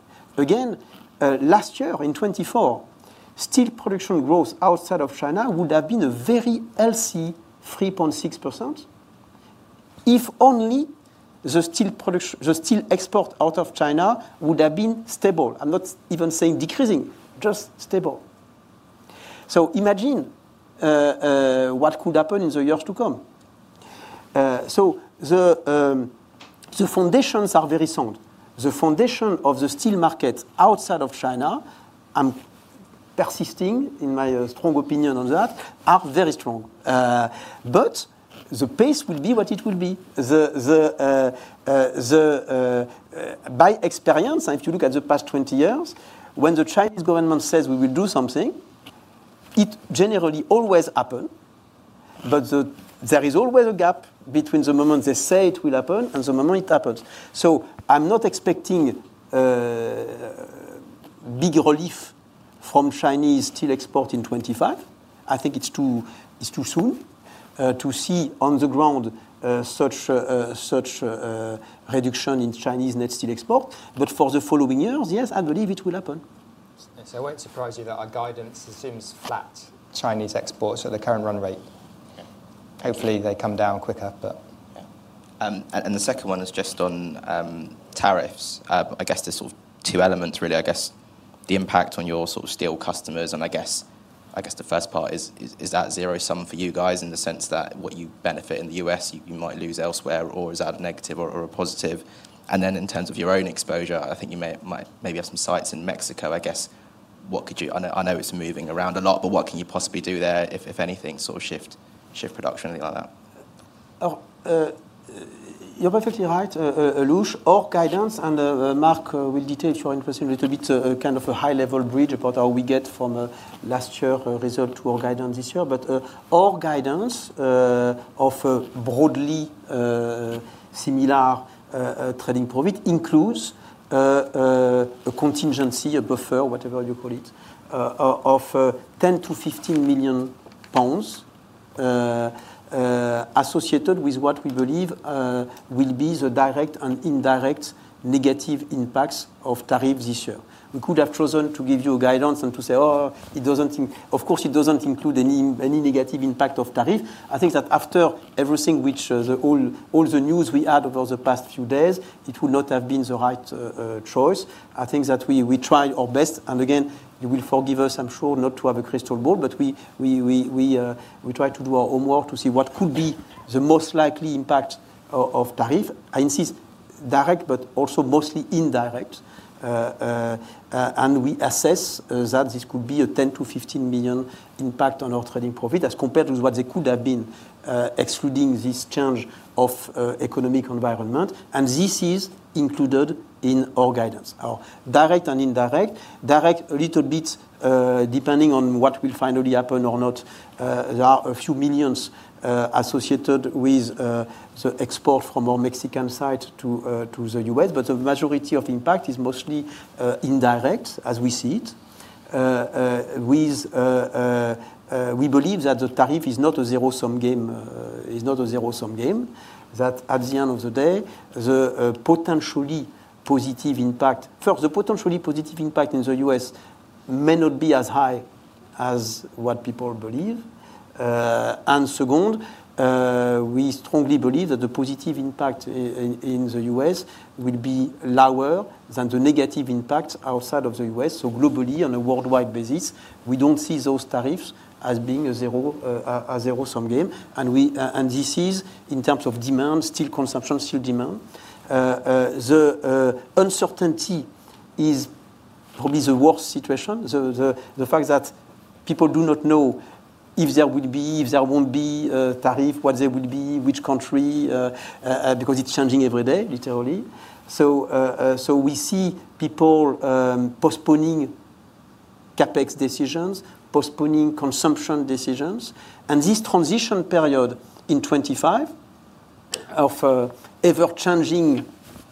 Last year in 2024, steel production growth outside of China would have been a very healthy 3.6% if only the steel export out of China would have been stable. I am not even saying decreasing, just stable. Imagine what could happen in the years to come. The foundations are very sound. The foundation of the steel market outside of China, I am persisting in my strong opinion on that, are very strong. The pace will be what it will be. By experience, if you look at the past 20 years, when the Chinese government says we will do something, it generally always happens. There is always a gap between the moment they say it will happen and the moment it happens. I am not expecting big relief from Chinese steel export in 2025. I think it is too soon to see on the ground such reduction in Chinese net steel export. For the following years, yes, I believe it will happen. It will not surprise you that our guidance assumes flat Chinese exports at the current run rate. Hopefully, they come down quicker, but yeah. The second one is just on tariffs. I guess there are sort of two elements, really. I guess the impact on your sort of steel customers. I guess the first part is that zero-sum for you guys in the sense that what you benefit in the U.S., you might lose elsewhere, or is that a negative or a positive? In terms of your own exposure, I think you maybe have some sites in Mexico. I guess what could you—I know it's moving around a lot, but what can you possibly do there if anything, sort of shift production, anything like that? You're perfectly right, Lush. Our guidance, and Mark will detail if you're interested in a little bit, kind of a high-level bridge about how we get from last year's result to our guidance this year. Our guidance of a broadly similar trading profit includes a contingency, a buffer, whatever you call it, of 10-15 million pounds associated with what we believe will be the direct and indirect negative impacts of tariffs this year. We could have chosen to give you a guidance and to say, "Oh, it does not—of course, it does not include any negative impact of tariff." I think that after everything, with all the news we had over the past few days, it would not have been the right choice. I think that we tried our best. Again, you will forgive us, I am sure, not to have a crystal ball, but we tried to do our homework to see what could be the most likely impact of tariff. I insist, direct, but also mostly indirect. We assess that this could be a 10 million-15 million impact on our trading profit as compared with what they could have been excluding this change of economic environment. This is included in our guidance. Direct and indirect. Direct, a little bit depending on what will finally happen or not. There are a few millions associated with the export from our Mexican site to the U.S. The majority of impact is mostly indirect, as we see it. We believe that the tariff is not a zero-sum game, that at the end of the day, the potentially positive impact—first, the potentially positive impact in the U.S. may not be as high as what people believe. Second, we strongly believe that the positive impact in the U.S. will be lower than the negative impact outside of the U.S. Globally, on a worldwide basis, we do not see those tariffs as being a zero-sum game. This is in terms of demand, steel consumption, steel demand. The uncertainty is probably the worst situation, the fact that people do not know if there will be, if there will not be tariff, what they will be, which country, because it is changing every day, literally. We see people postponing CapEx decisions, postponing consumption decisions. This transition period in 2025 of ever-changing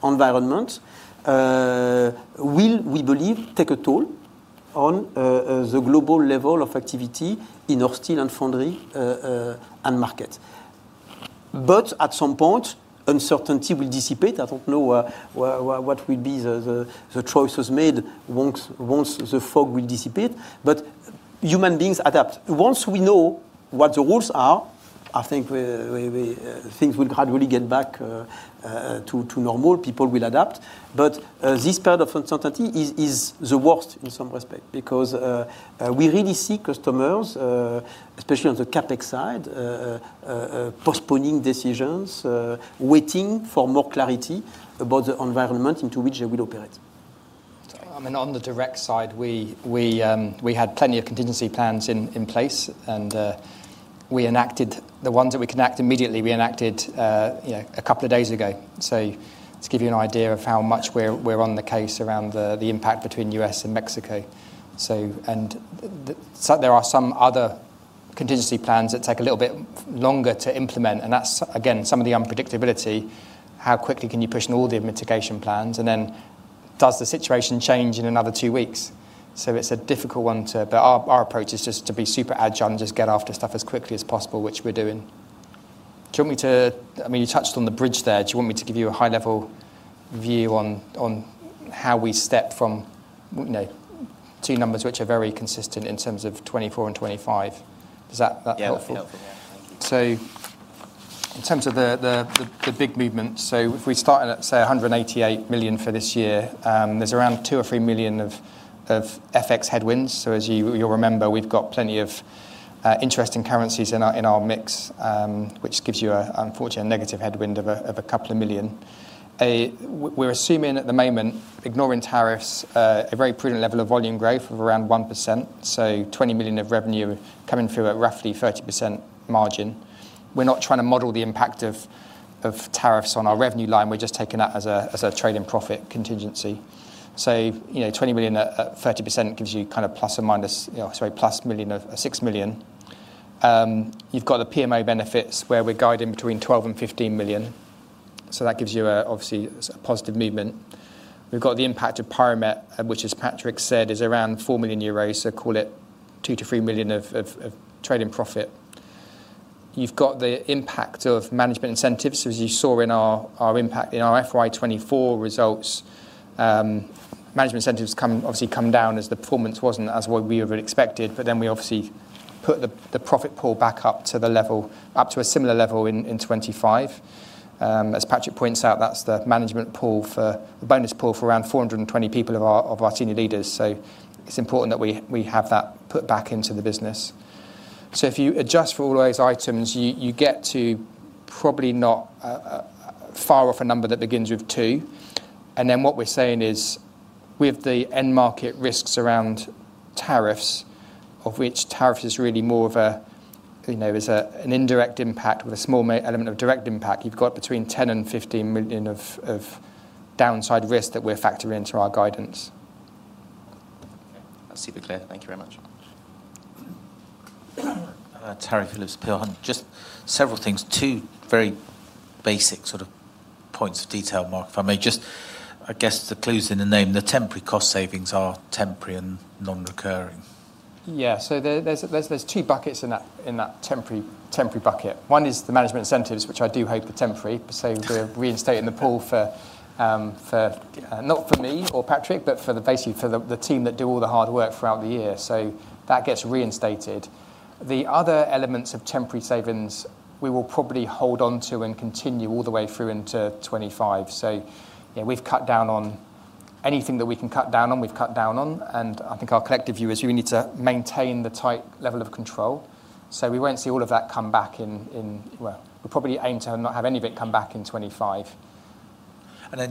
environments will, we believe, take a toll on the global level of activity in our steel and Foundry market. At some point, uncertainty will dissipate. I do not know what will be the choices made once the fog will dissipate. Human beings adapt. Once we know what the rules are, I think things will gradually get back to normal. People will adapt. This period of uncertainty is the worst in some respect because we really see customers, especially on the CapEx side, postponing decisions, waiting for more clarity about the environment into which they will operate. I mean, on the direct side, we had plenty of contingency plans in place. We enacted the ones that we can act immediately. We enacted a couple of days ago. To give you an idea of how much we're on the case around the impact between the U.S. and Mexico. There are some other contingency plans that take a little bit longer to implement. That's, again, some of the unpredictability, how quickly can you push in all the mitigation plans? Does the situation change in another two weeks? It's a difficult one. Our approach is just to be super agile and just get after stuff as quickly as possible, which we're doing. Do you want me to—I mean, you touched on the bridge there. Do you want me to give you a high-level view on how we step from two numbers which are very consistent in terms of 2024 and 2025? Is that helpful? Yeah, helpful. Yeah, thank you. In terms of the big movement, if we start at, say, 188 million for this year, there is around 2-3 million of FX headwinds. As you'll remember, we've got plenty of interesting currencies in our mix, which gives you, unfortunately, a negative headwind of a couple of million. We're assuming at the moment, ignoring tariffs, a very prudent level of volume growth of around 1%. So 20 million of revenue coming through at roughly 30% margin. We're not trying to model the impact of tariffs on our revenue line. We're just taking that as a trade-in-profit contingency. 20 million at 30% gives you kind of plus or minus—sorry, plus 6 million. You've got the PMO benefits where we're guiding between 12 and 15 million. That gives you, obviously, a positive movement. We've got the impact of piroMET, which, as Patrick said, is around 4 million euros, so call it 2-3 million of trade-in-profit. You've got the impact of management incentives. As you saw in our FY 2024 results, management incentives obviously come down as the performance wasn't as what we would have expected. We obviously put the profit pool back up to a similar level in 2025. As Patrick points out, that's the management pool for the bonus pool for around 420 people of our senior leaders. It is important that we have that put back into the business. If you adjust for all those items, you get to probably not far off a number that begins with 2. What we are saying is with the end market risks around tariffs, of which tariffs is really more of an indirect impact with a small element of direct impact, you have got between 10 million-15 million of downside risk that we are factoring into our guidance. Okay. That is super clear. Thank you very much. Tariff looks pure. Just several things, two very basic sort of points of detail, Mark, if I may. I guess the clue is in the name. The temporary cost savings are temporary and non-recurring. Yeah. There are two buckets in that temporary bucket. One is the management incentives, which I do hope are temporary. We're reinstating the pool not for me or Patrick, but basically for the team that do all the hard work throughout the year. That gets reinstated. The other elements of temporary savings we will probably hold on to and continue all the way through into 2025. We've cut down on anything that we can cut down on, we've cut down on. I think our collective view is we need to maintain the tight level of control. We won't see all of that come back in—we probably aim to not have any of it come back in 2025.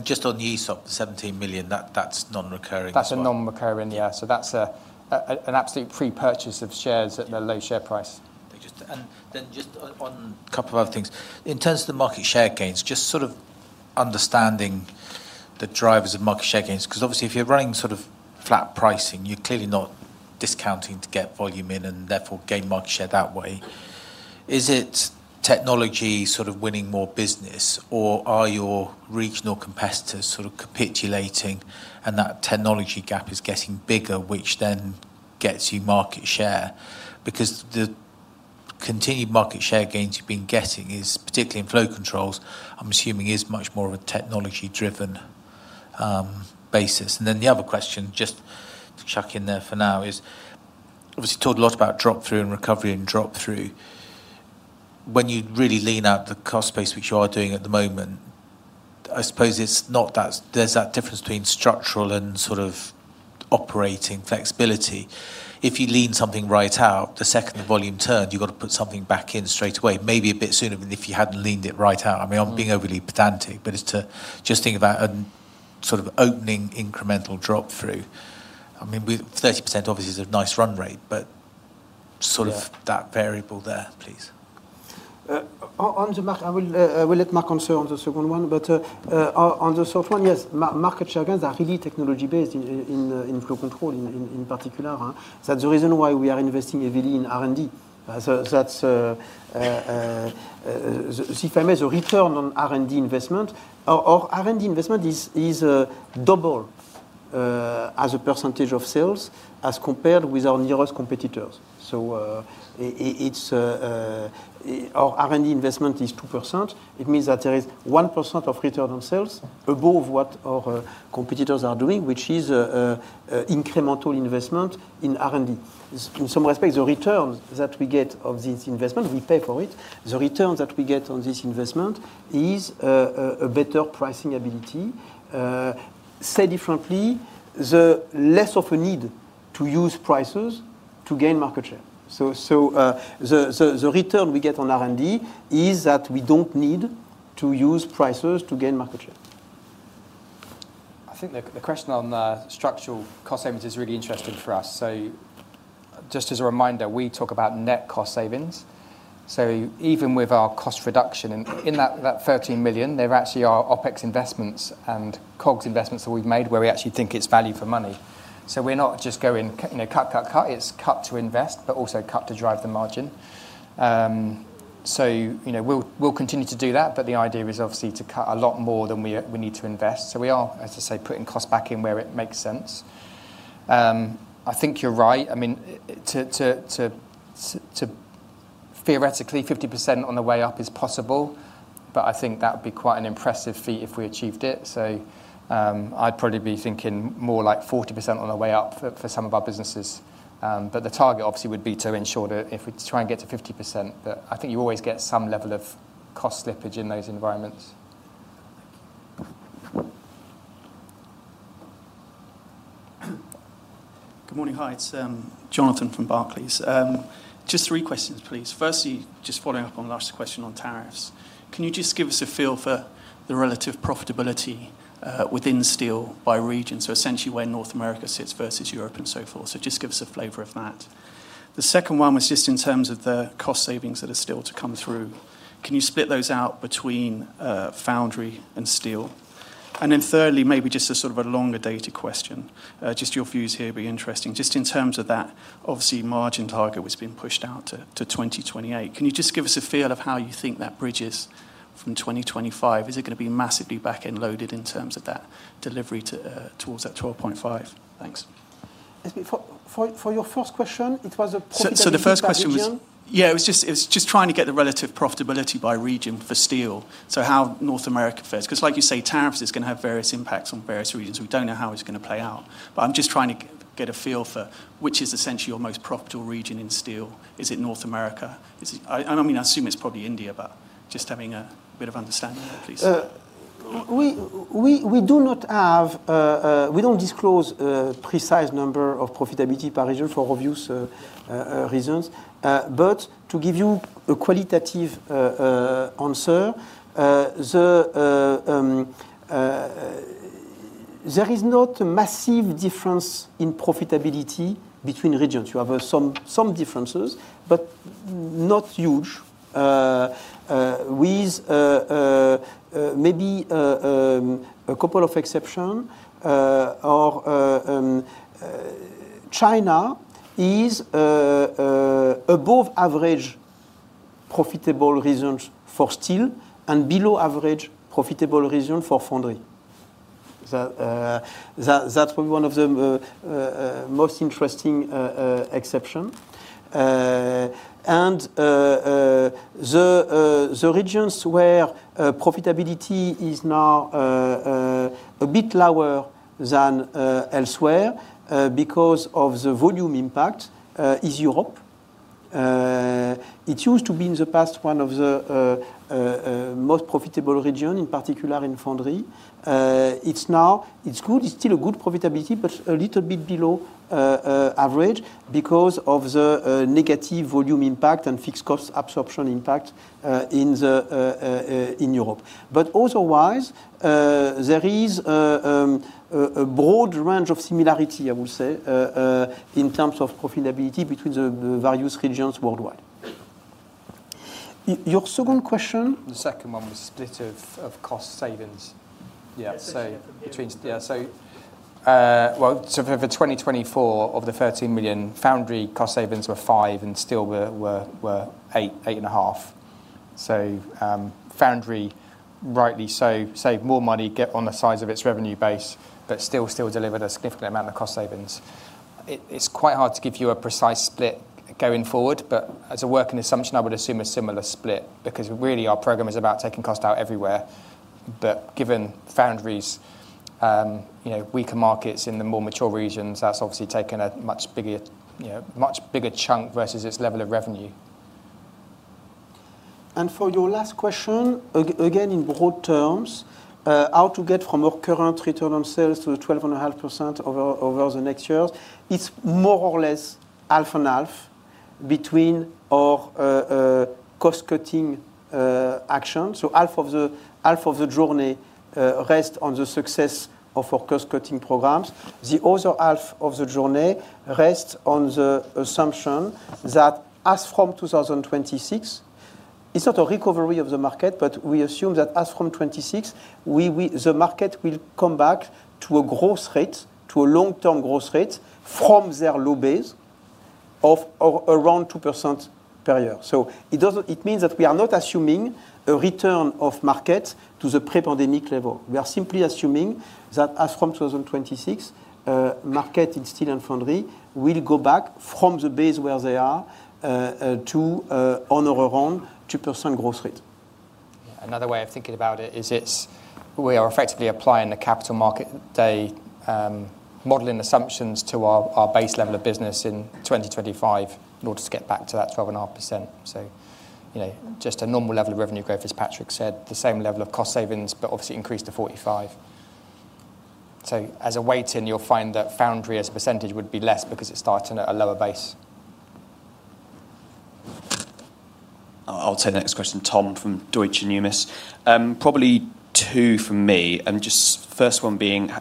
Just on the ESOP, the 17 million, that's non-recurring. That's a non-recurring, yeah. That's an absolute pre-purchase of shares at the low share price. Just on a couple of other things. In terms of the market share gains, just sort of understanding the drivers of market share gains. Because obviously, if you're running sort of flat pricing, you're clearly not discounting to get volume in and therefore gain market share that way. Is it technology sort of winning more business, or are your regional competitors sort of capitulating, and that technology gap is getting bigger, which then gets you market share? Because the continued market share gains you've been getting, particularly in Flow Controls, I'm assuming is much more of a technology-driven basis. The other question, just to chuck in there for now, is obviously talked a lot about drop-through and recovery and drop-through. When you really lean out the cost space, which you are doing at the moment, I suppose it's not that there's that difference between structural and sort of operating flexibility. If you lean something right out, the second the volume turned, you've got to put something back in straight away, maybe a bit sooner than if you hadn't leaned it right out. I mean, I'm being overly pedantic, but it's to just think about a sort of opening incremental drop-through. I mean, 30% obviously is a nice run rate, but sort of that variable there, please. On the—I will let Mark answer on the second one. On the soft one, yes, market share gains are really technology-based in Flow Control in particular. That's the reason why we are investing heavily in R&D. That's—if I may, the return on R&D investment, our R&D investment is double as a percentage of sales as compared with our nearest competitors. So our R&D investment is 2%. It means that there is 1% of return on sales above what our competitors are doing, which is incremental investment in R&D. In some respects, the returns that we get on this investment, we pay for it. The returns that we get on this investment is a better pricing ability. Say differently, the less of a need to use prices to gain market share. So the return we get on R&D is that we do not need to use prices to gain market share. I think the question on structural cost savings is really interesting for us. Just as a reminder, we talk about net cost savings. Even with our cost reduction in that 13 million, there are actually our OpEx investments and COGS investments that we have made where we actually think it is value for money. We are not just going cut, cut, cut. It's cut to invest, but also cut to drive the margin. We'll continue to do that, but the idea is obviously to cut a lot more than we need to invest. We are, as I say, putting cost back in where it makes sense. I think you're right. I mean, theoretically, 50% on the way up is possible, but I think that would be quite an impressive feat if we achieved it. I'd probably be thinking more like 40% on the way up for some of our businesses. The target obviously would be to ensure that we try and get to 50%, but I think you always get some level of cost slippage in those environments. Good morning. Hi. It's Jonathan from Barclays. Just three questions, please. Firstly, just following up on the last question on tariffs. Can you just give us a feel for the relative profitability within steel by region? Essentially where North America sits versus Europe and so forth. Just give us a flavor of that. The second one was just in terms of the cost savings that are still to come through. Can you split those out between Foundry and steel? Thirdly, maybe just a sort of a longer dated question. Your views here would be interesting. In terms of that, obviously, margin target was being pushed out to 2028. Can you just give us a feel of how you think that bridges from 2025? Is it going to be massively back-end loaded in terms of that delivery towards that 12.5%? Thanks. For your first question, it was a profitability reason. The first question was—yeah, it was just trying to get the relative profitability by region for steel. How North America fits. Because like you say, tariffs are going to have various impacts on various regions. We do not know how it is going to play out. I am just trying to get a feel for which is essentially your most profitable region in steel. Is it North America? I mean, I assume it is probably India, but just having a bit of understanding there, please. We do not have—we do not disclose a precise number of profitability by region for obvious reasons. To give you a qualitative answer, there is not a massive difference in profitability between regions. You have some differences, but not huge, with maybe a couple of exceptions. China is above average profitable region for steel and below average profitable region for Foundry. That's probably one of the most interesting exceptions. The regions where profitability is now a bit lower than elsewhere because of the volume impact is Europe. It used to be in the past one of the most profitable regions, in particular in Foundry. It's good. It's still a good profitability, but a little bit below average because of the negative volume impact and fixed cost absorption impact in Europe. Otherwise, there is a broad range of similarity, I will say, in terms of profitability between the various regions worldwide. Your second question. The second one was split of cost savings. Yeah. For 2024, of the 13 million, Foundry cost savings were 5 million and steel were 8 million, 8 and a half. Foundry, rightly so, saved more money, given the size of its revenue base, but still delivered a significant amount of cost savings. It's quite hard to give you a precise split going forward, but as a working assumption, I would assume a similar split because really our program is about taking cost out everywhere. Given Foundry's weaker markets in the more mature regions, that's obviously taken a much bigger chunk versus its level of revenue. For your last question, again, in broad terms, how to get from our current return on sales to the 12.5% over the next years, it's more or less half and half between our cost-cutting action. Half of the journey rests on the success of our cost-cutting programs. The other half of the journey rests on the assumption that as from 2026, it's not a recovery of the market, but we assume that as from 2026, the market will come back to a growth rate, to a long-term growth rate from their low base of around 2% per year. It means that we are not assuming a return of market to the pre-pandemic level. We are simply assuming that as from 2026, market in steel and Foundry will go back from the base where they are to, on our own, 2% growth rate. Another way of thinking about it is we are effectively applying the capital market day modeling assumptions to our base level of business in 2025 in order to get back to that 12.5%. Just a normal level of revenue growth, as Patrick said, the same level of cost savings, but obviously increased to 45. As a weight in, you'll find that Foundry as a percentage would be less because it's starting at a lower base. I'll take the next question, Tom, from Deutsche Numis. Probably two for me. First one being,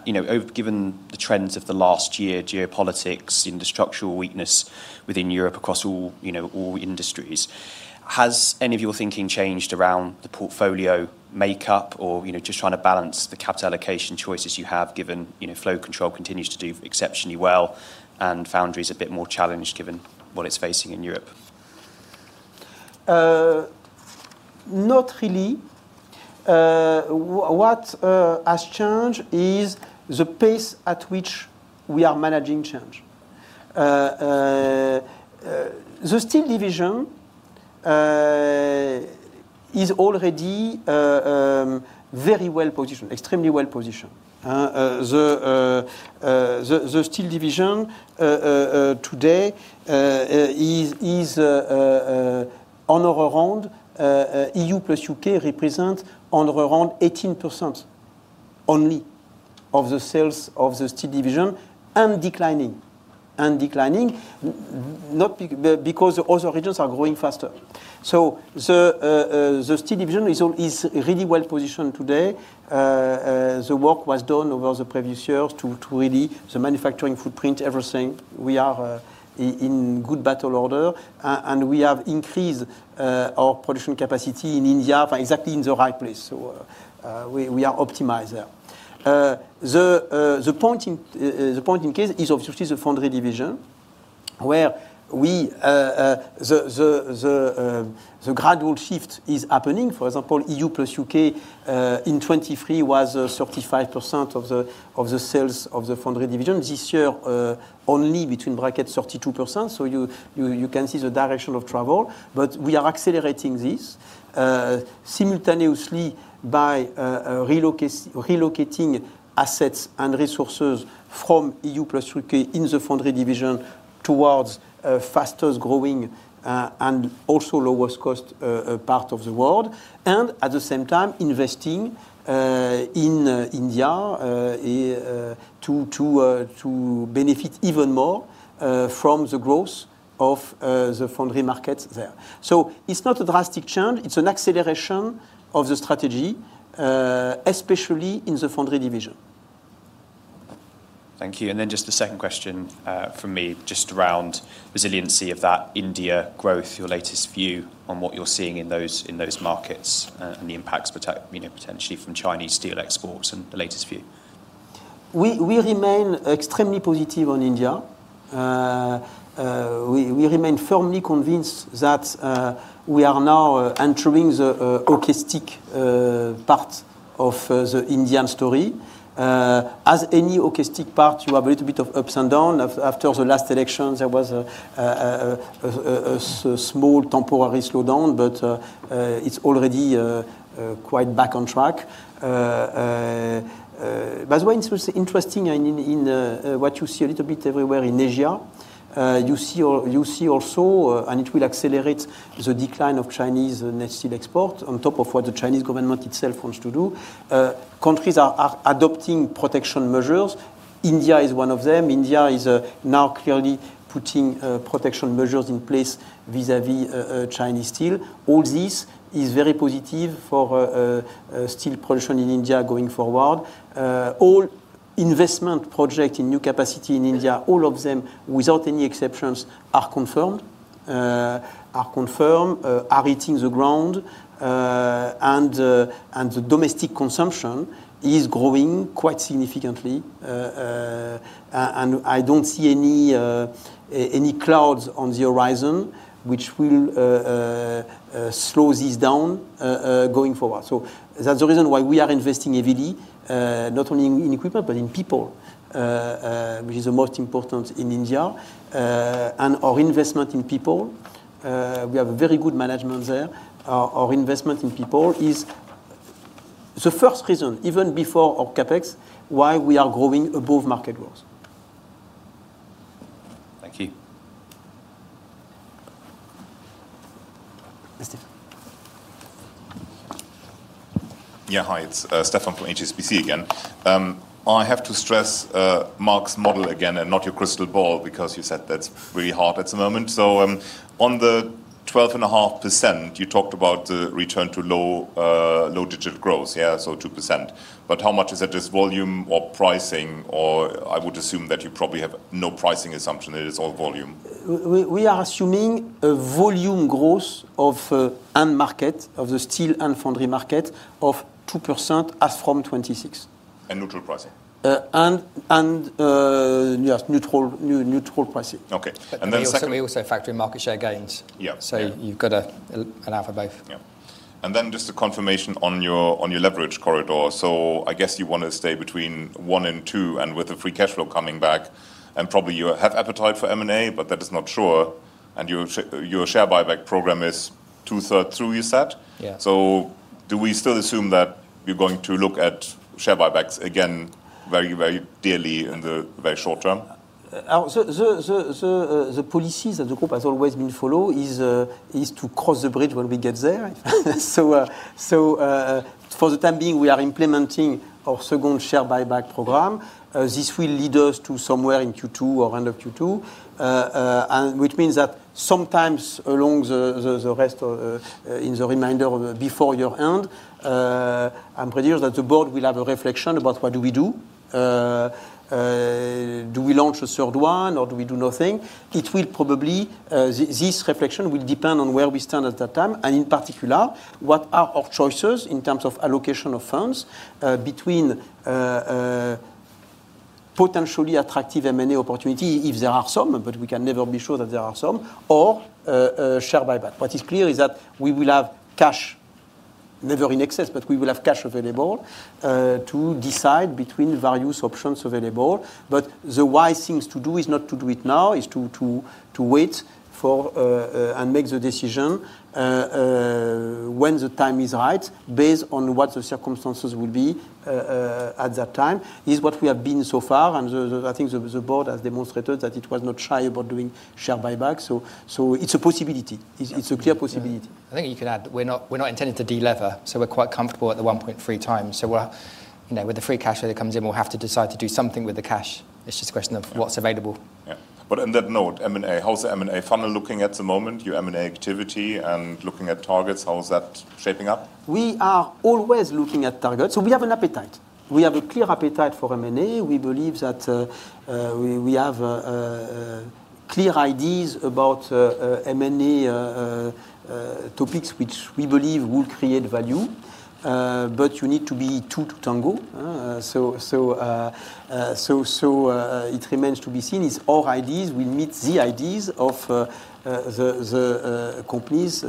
given the trends of the last year, geopolitics, the structural weakness within Europe across all industries, has any of your thinking changed around the portfolio makeup or just trying to balance the capital allocation choices you have given Flow Control continues to do exceptionally well and Foundry is a bit more challenged given what it's facing in Europe? Not really. What has changed is the pace at which we are managing change. The steel division is already very well positioned, extremely well positioned. The steel division today is, on our own, E.U. plus U.K. represents on our own 18% only of the sales of the steel division and declining, and declining because the other regions are growing faster. The steel division is really well positioned today. The work was done over the previous years to really the manufacturing footprint, everything. We are in good battle order, and we have increased our production capacity in India exactly in the right place. We are optimized there. The point in case is obviously the Foundry division where the gradual shift is happening. For example, E.U. plus U.K. in 2023 was 35% of the sales of the Foundry division. This year only between bracket 32%. You can see the direction of travel. We are accelerating this simultaneously by relocating assets and resources from E.U. plus U.K. in the Foundry division towards the fastest growing and also lowest cost part of the world. At the same time, investing in India to benefit even more from the growth of the Foundry markets there. It is not a drastic change. It is an acceleration of the strategy, especially in the Foundry division. Thank you. The second question for me, just around resiliency of that India growth, your latest view on what you are seeing in those markets and the impacts potentially from Chinese steel exports and the latest view. We remain extremely positive on India. We remain firmly convinced that we are now entering the optimistic part of the Indian story. As any optimistic part, you have a little bit of ups and downs. After the last election, there was a small temporary slowdown, but it's already quite back on track. By the way, it's interesting in what you see a little bit everywhere in Asia. You see also, and it will accelerate the decline of Chinese steel export on top of what the Chinese government itself wants to do. Countries are adopting protection measures. India is one of them. India is now clearly putting protection measures in place vis-à-vis Chinese steel. All this is very positive for steel production in India going forward. All investment projects in new capacity in India, all of them without any exceptions are confirmed, are confirmed, are hitting the ground. The domestic consumption is growing quite significantly. I don't see any clouds on the horizon which will slow this down going forward. That is the reason why we are investing heavily, not only in equipment, but in people, which is the most important in India. Our investment in people, we have a very good management there. Our investment in people is the first reason, even before OpEx, why we are growing above market growth. Thank you. Yeah, hi. It is Stephan from HSBC again. I have to stress Mark's model again and not your crystal ball because you said that is really hard at the moment. On the 12.5%, you talked about the return to low digit growth, yeah, so 2%. How much is it? Is it volume or pricing? I would assume that you probably have no pricing assumption. It is all volume. We are assuming a volume growth of the steel and Foundry market of 2% as from 2026. And neutral pricing? And neutral pricing. Okay. Secondly. Also factory market share gains. You have got a half above. Yeah. Just a confirmation on your leverage corridor. I guess you want to stay between one and two and with the free cash flow coming back. Probably you have appetite for M&A, but that is not sure. Your share buyback program is two-thirds through, you said. Do we still assume that you are going to look at share buybacks again very, very dearly in the very short term? The policies that the group has always been following is to cross the bridge when we get there. For the time being, we are implementing our second share buyback program. This will lead us to somewhere in Q2 or end of Q2, which means that sometime along the rest in the reminder before year-end, I'm pretty sure that the board will have a reflection about what do we do. Do we launch a third one or do we do nothing? It will probably, this reflection will depend on where we stand at that time. In particular, what are our choices in terms of allocation of funds between potentially attractive M&A opportunities, if there are some, but we can never be sure that there are some, or share buyback. What is clear is that we will have cash, never in excess, but we will have cash available to decide between various options available. The wise thing to do is not to do it now, is to wait and make the decision when the time is right based on what the circumstances will be at that time. This is what we have been so far. I think the board has demonstrated that it was not shy about doing share buyback. It is a possibility. It is a clear possibility. I think you can add we are not intending to delever. We are quite comfortable at the 1.3 times. With the free cash flow that comes in, we will have to decide to do something with the cash. It is just a question of what is available. Yeah. On that note, M&A, how is the M&A funnel looking at the moment? Your M&A activity and looking at targets, how is that shaping up? We are always looking at targets. We have an appetite. We have a clear appetite for M&A. We believe that we have clear ideas about M&A topics which we believe will create value. You need to be two to tango. It remains to be seen if our ideas will meet the ideas of the companies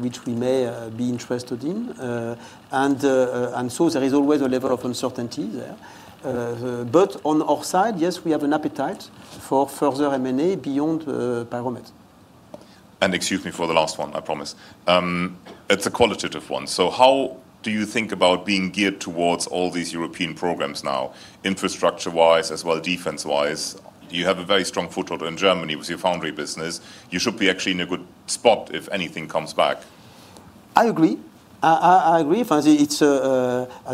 which we may be interested in. There is always a level of uncertainty there. On our side, yes, we have an appetite for further M&A beyond piroMET. Excuse me for the last one, I promise. It's a qualitative one. How do you think about being geared towards all these European programs now, infrastructure-wise as well as defense-wise? You have a very strong foothold in Germany with your Foundry business. You should be actually in a good spot if anything comes back. I agree. I agree. As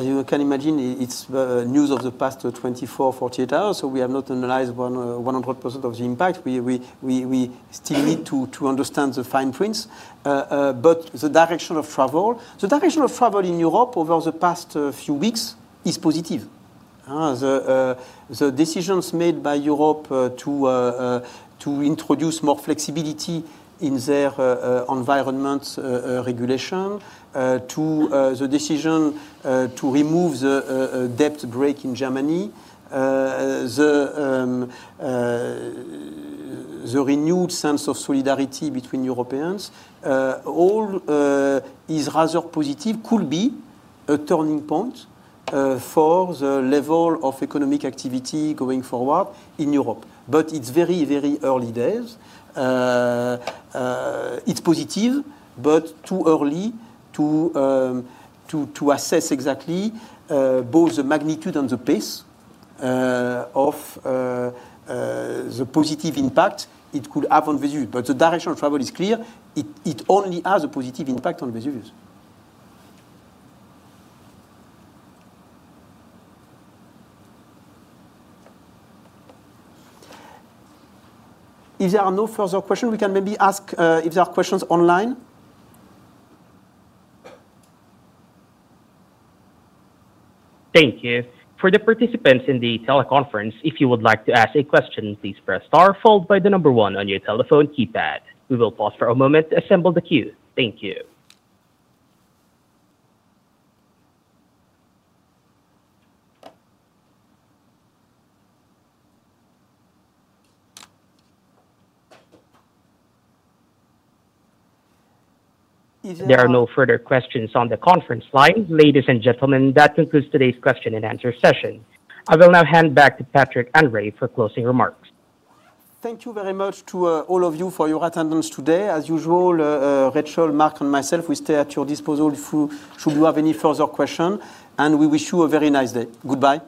you can imagine, it's news of the past 24-48 hours. We have not analyzed 100% of the impact. We still need to understand the fine prints. The direction of travel in Europe over the past few weeks is positive. The decisions made by Europe to introduce more flexibility in their environment regulation, the decision to remove the debt brake in Germany, the renewed sense of solidarity between Europeans, all is rather positive, could be a turning point for the level of economic activity going forward in Europe. It is very, very early days. It is positive, but too early to assess exactly both the magnitude and the pace of the positive impact it could have on the residue. The direction of travel is clear. It only has a positive impact on the residue. If there are no further questions, we can maybe ask if there are questions online. Thank you. For the participants in the teleconference, if you would like to ask a question, please press star followed by the number one on your telephone keypad. We will pause for a moment to assemble the queue. Thank you. There are no further questions on the conference line. Ladies and gentlemen, that concludes today's question and answer session. I will now hand back to Patrick and Ray for closing remarks. Thank you very much to all of you for your attendance today. As usual, Rachel, Mark, and myself, we stay at your disposal should you have any further questions. We wish you a very nice day. Goodbye.